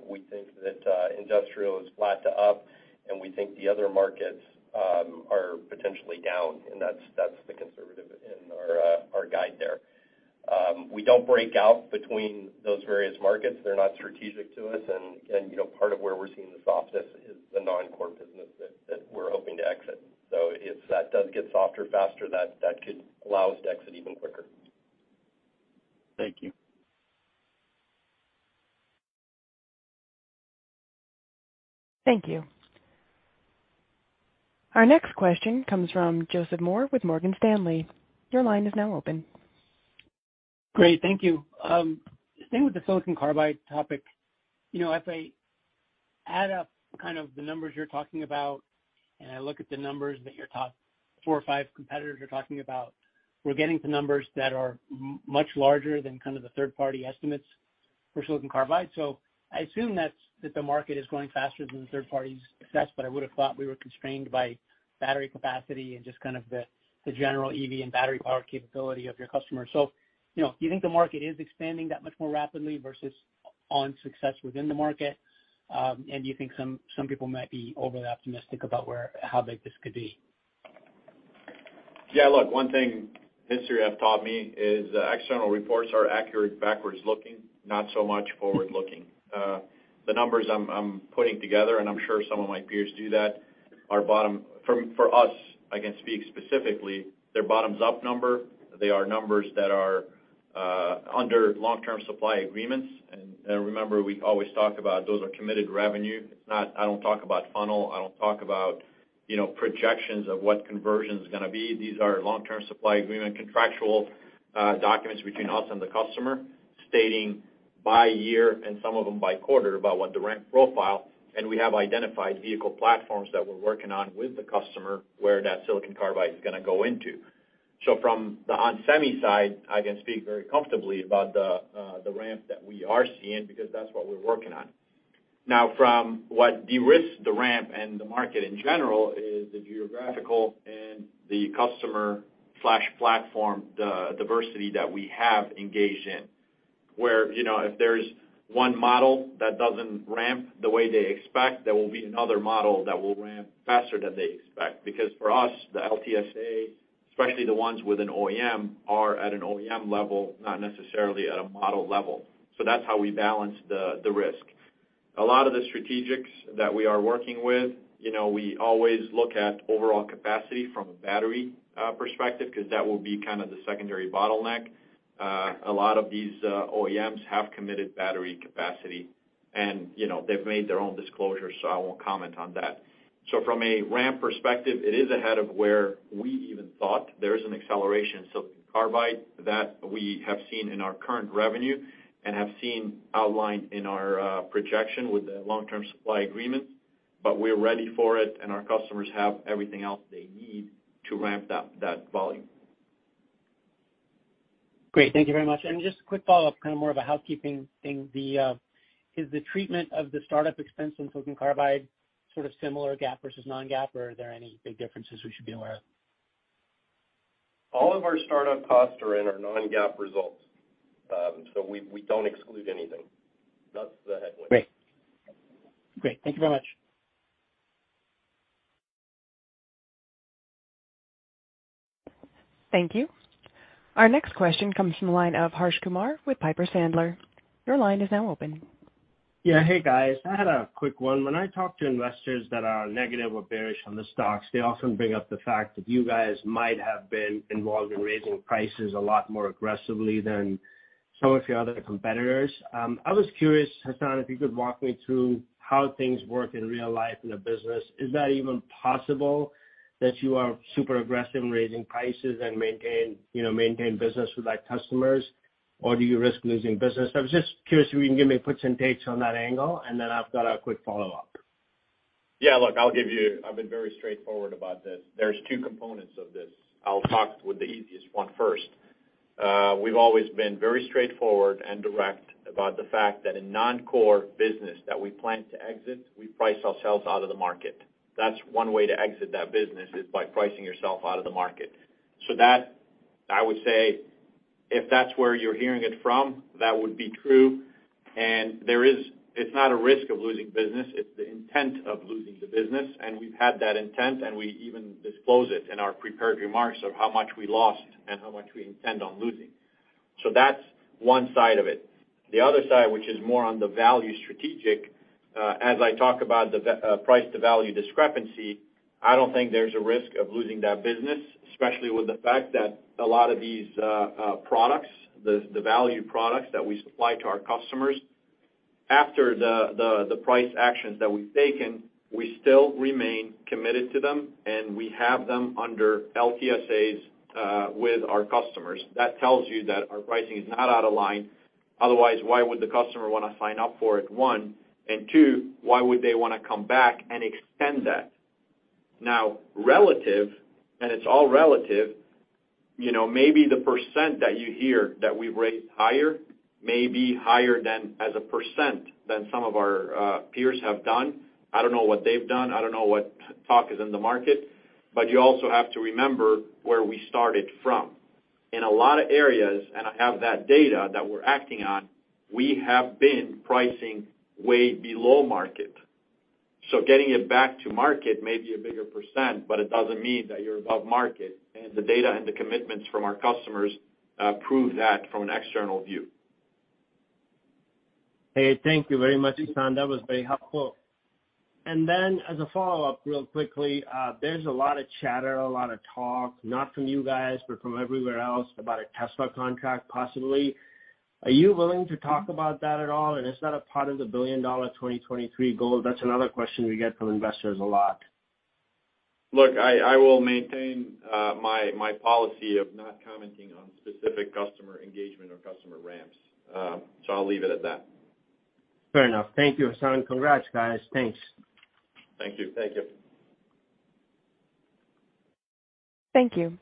We think that industrial is flat to up, and we think the other markets are potentially down, and that's the conservative in our guide there. We don't break out between those various markets. They're not strategic to us and, you know, part of where we're seeing the softness is the non-core business that we're hoping to exit. So if that does get softer faster, that could allow us to exit even quicker. Thank you. Thank you. Our next question comes from Joseph Moore with Morgan Stanley. Your line is now open. Great. Thank you. Staying with the silicon carbide topic, you know, if I add up kind of the numbers you're talking about and I look at the numbers that your top four or five competitors are talking about, we're getting to numbers that are much larger than kind of the third-party estimates for silicon carbide. I assume that the market is growing faster than the third-party consensus, but I would have thought we were constrained by battery capacity and just kind of the general EV and battery power capability of your customer. You know, do you think the market is expanding that much more rapidly versus onsemi's success within the market? Do you think some people might be overly optimistic about how big this could be? Yeah. Look, one thing history have taught me is that external reports are accurate backwards looking, not so much forward looking. The numbers I'm putting together, and I'm sure some of my peers do that, are bottoms-up. For us, I can speak specifically, they're bottoms-up numbers. They are numbers that are under long-term supply agreements. Remember, we always talk about those are committed revenue. It's not. I don't talk about funnel. I don't talk about, you know, projections of what conversion's gonna be. These are long-term supply agreement, contractual documents between us and the customer stating by year and some of them by quarter about what the ramp profile, and we have identified vehicle platforms that we're working on with the customer where that silicon carbide is gonna go into. From the onsemi side, I can speak very comfortably about the ramp that we are seeing because that's what we're working on. Now, from what de-risks the ramp and the market in general is the geographical and the customer/platform, the diversity that we have engaged in, where, you know, if there's one model that doesn't ramp the way they expect, there will be another model that will ramp faster than they expect. Because for us, the LTSA, especially the ones with an OEM, are at an OEM level, not necessarily at a model level. That's how we balance the risk. A lot of the strategics that we are working with, you know, we always look at overall capacity from a battery perspective because that will be kind of the secondary bottleneck. A lot of these OEMs have committed battery capacity and, you know, they've made their own disclosures, so I won't comment on that. From a ramp perspective, it is ahead of where we even thought. There is an acceleration in silicon carbide that we have seen in our current revenue and have seen outlined in our projection with the long-term supply agreements. We're ready for it, and our customers have everything else they need to ramp that volume. Great. Thank you very much. Just a quick follow-up, kind of more of a housekeeping thing. The is the treatment of the startup expense in silicon carbide sort of similar GAAP versus non-GAAP, or are there any big differences we should be aware of? All of our startup costs are in our non-GAAP results. We don't exclude anything. That's the takeaway. Great. Thank you very much. Thank you. Our next question comes from the line of Harsh Kumar with Piper Sandler. Your line is now open. Yeah. Hey, guys. I had a quick one. When I talk to investors that are negative or bearish on the stocks, they often bring up the fact that you guys might have been involved in raising prices a lot more aggressively than some of your other competitors. I was curious, Hassane, if you could walk me through how things work in real life in a business. Is that even possible that you are super aggressive in raising prices and maintain, you know, maintain business with like customers, or do you risk losing business? I was just curious if you can give me puts and takes on that angle, and then I've got a quick follow-up. Yeah. Look, I'll give you. I've been very straightforward about this. There's two components of this. I'll talk with the easiest one first. We've always been very straightforward and direct about the fact that a non-core business that we plan to exit, we price ourselves out of the market. That's one way to exit that business, is by pricing yourself out of the market. That, I would say, if that's where you're hearing it from, that would be true. There is. It's not a risk of losing business, it's the intent of losing the business, and we've had that intent, and we even disclose it in our prepared remarks of how much we lost and how much we intend on losing. That's one side of it. The other side, which is more on the value strategic, as I talk about the price to value discrepancy, I don't think there's a risk of losing that business, especially with the fact that a lot of these products, the value products that we supply to our customers, after the price actions that we've taken, we still remain committed to them, and we have them under LTSAs with our customers. That tells you that our pricing is not out of line. Otherwise, why would the customer wanna sign up for it, one, and two, why would they wanna come back and extend that? Now, relative, and it's all relative, you know, maybe the percent that you hear that we've raised higher may be higher than, as a percent, than some of our peers have done. I don't know what they've done. I don't know what talk is in the market. You also have to remember where we started from. In a lot of areas, and I have that data that we're acting on, we have been pricing way below market. Getting it back to market may be a bigger percent, but it doesn't mean that you're above market. The data and the commitments from our customers prove that from an external view. Hey, thank you very much, Hassane. That was very helpful. As a follow-up real quickly, there's a lot of chatter, a lot of talk, not from you guys, but from everywhere else, about a Tesla contract possibly. Are you willing to talk about that at all? Is that a part of the billion-dollar 2023 goal? That's another question we get from investors a lot. Look, I will maintain my policy of not commenting on specific customer engagement or customer ramps. I'll leave it at that. Fair enough. Thank you, Hassane. Congrats, guys. Thanks. Thank you. Thank you. Thank you.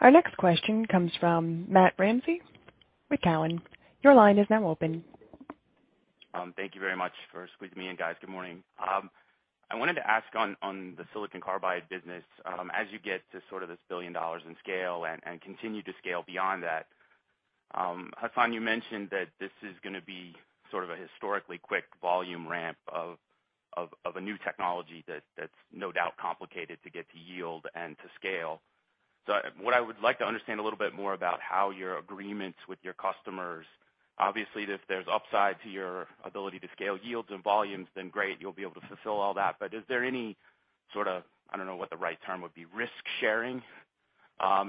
Our next question comes from Matt Ramsay with Cowen. Your line is now open. Thank you very much for squeezing me in, guys. Good morning. I wanted to ask on the silicon carbide business, as you get to sort of this $1 billion in scale and continue to scale beyond that, Hassane, you mentioned that this is gonna be sort of a historically quick volume ramp of a new technology that's no doubt complicated to get to yield and to scale. What I would like to understand a little bit more about how your agreements with your customers, obviously, if there's upside to your ability to scale yields and volumes, then great, you'll be able to fulfill all that. Is there any sort of, I don't know what the right term would be, risk-sharing,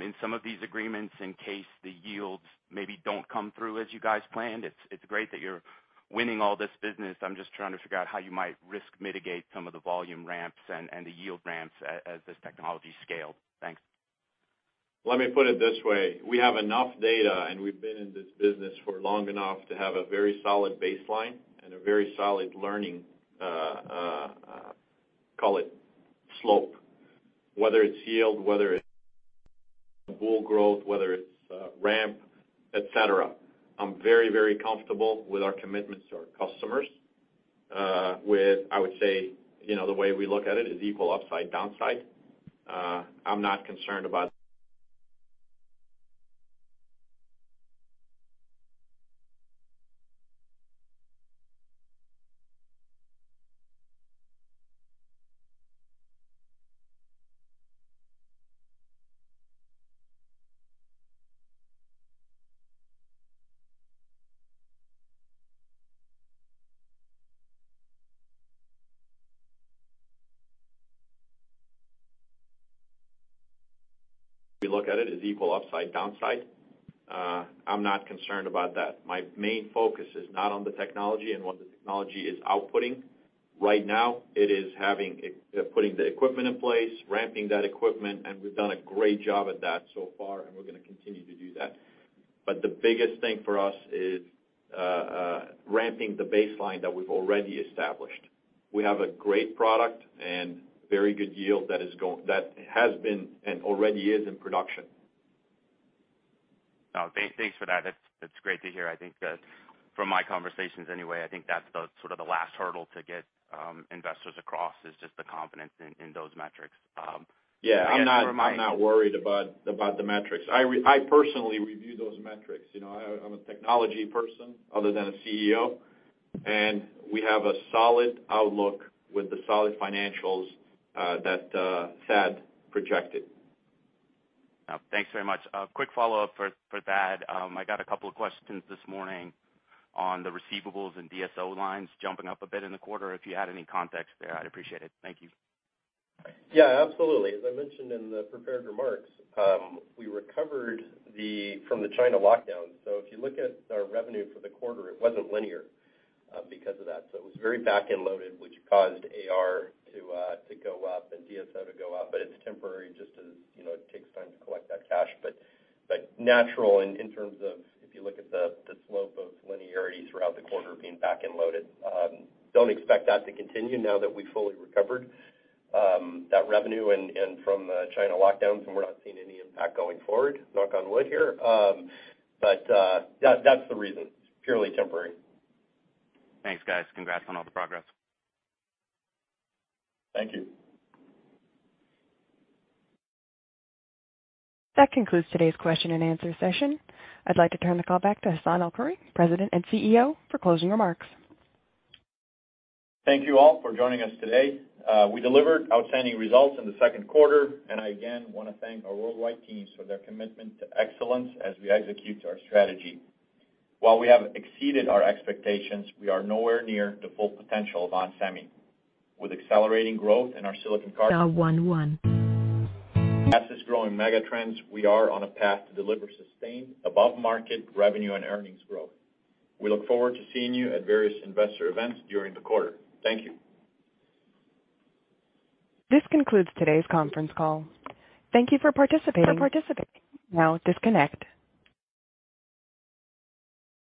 in some of these agreements in case the yields maybe don't come through as you guys planned? It's great that you're winning all this business. I'm just trying to figure out how you might risk mitigate some of the volume ramps and the yield ramps as this technology scales. Thanks. Let me put it this way. We have enough data, and we've been in this business for long enough to have a very solid baseline and a very solid learning, call it slope, whether it's yield, whether it's build growth, whether it's ramp, et cetera. I'm very, very comfortable with our commitment to our customers, with, I would say, you know, the way we look at it is equal upside, downside. I'm not concerned about. We look at it as equal upside, downside. I'm not concerned about that. My main focus is not on the technology and what the technology is outputting. Right now, it is putting the equipment in place, ramping that equipment, and we've done a great job at that so far, and we're gonna continue to do that. The biggest thing for us is ramping the baseline that we've already established. We have a great product and very good yield that has been and already is in production. Oh, thanks for that. It's great to hear. I think that from my conversations anyway, I think that's the sort of the last hurdle to get investors across, is just the confidence in those metrics. Yeah, I'm not worried about the metrics. I personally review those metrics. You know, I'm a technology person other than a CEO, and we have a solid outlook with the solid financials that Thad projected. Thanks very much. A quick follow-up for Thad. I got a couple of questions this morning on the receivables and DSO lines jumping up a bit in the quarter. If you had any context there, I'd appreciate it. Thank you. Yeah, absolutely. As I mentioned in the prepared remarks, we recovered from the China lockdown. If you look at our revenue for the quarter, it wasn't linear because of that. It was very back-end loaded, which caused AR to go up and DSO to go up, but it's temporary, just as you know, it takes time to collect that cash. Naturally, in terms of if you look at the slope of linearity throughout the quarter being back-end loaded. Don't expect that to continue now that we've fully recovered that revenue and from the China lockdown, so we're not seeing any impact going forward. Knock on wood here. That's the reason, purely temporary. Thanks, guys. Congrats on all the progress. Thank you. That concludes today's question and answer session. I'd like to turn the call back to Hassane El-Khoury, President and CEO, for closing remarks. Thank you all for joining us today. We delivered outstanding results in the second quarter, and I again wanna thank our worldwide teams for their commitment to excellence as we execute our strategy. While we have exceeded our expectations, we are nowhere near the full potential of onsemi. With accelerating growth in our silicon carbide. Addressing growing megatrends, we are on a path to deliver sustained above market revenue and earnings growth. We look forward to seeing you at various investor events during the quarter. Thank you. This concludes today's conference call. Thank you for participating. You may now disconnect.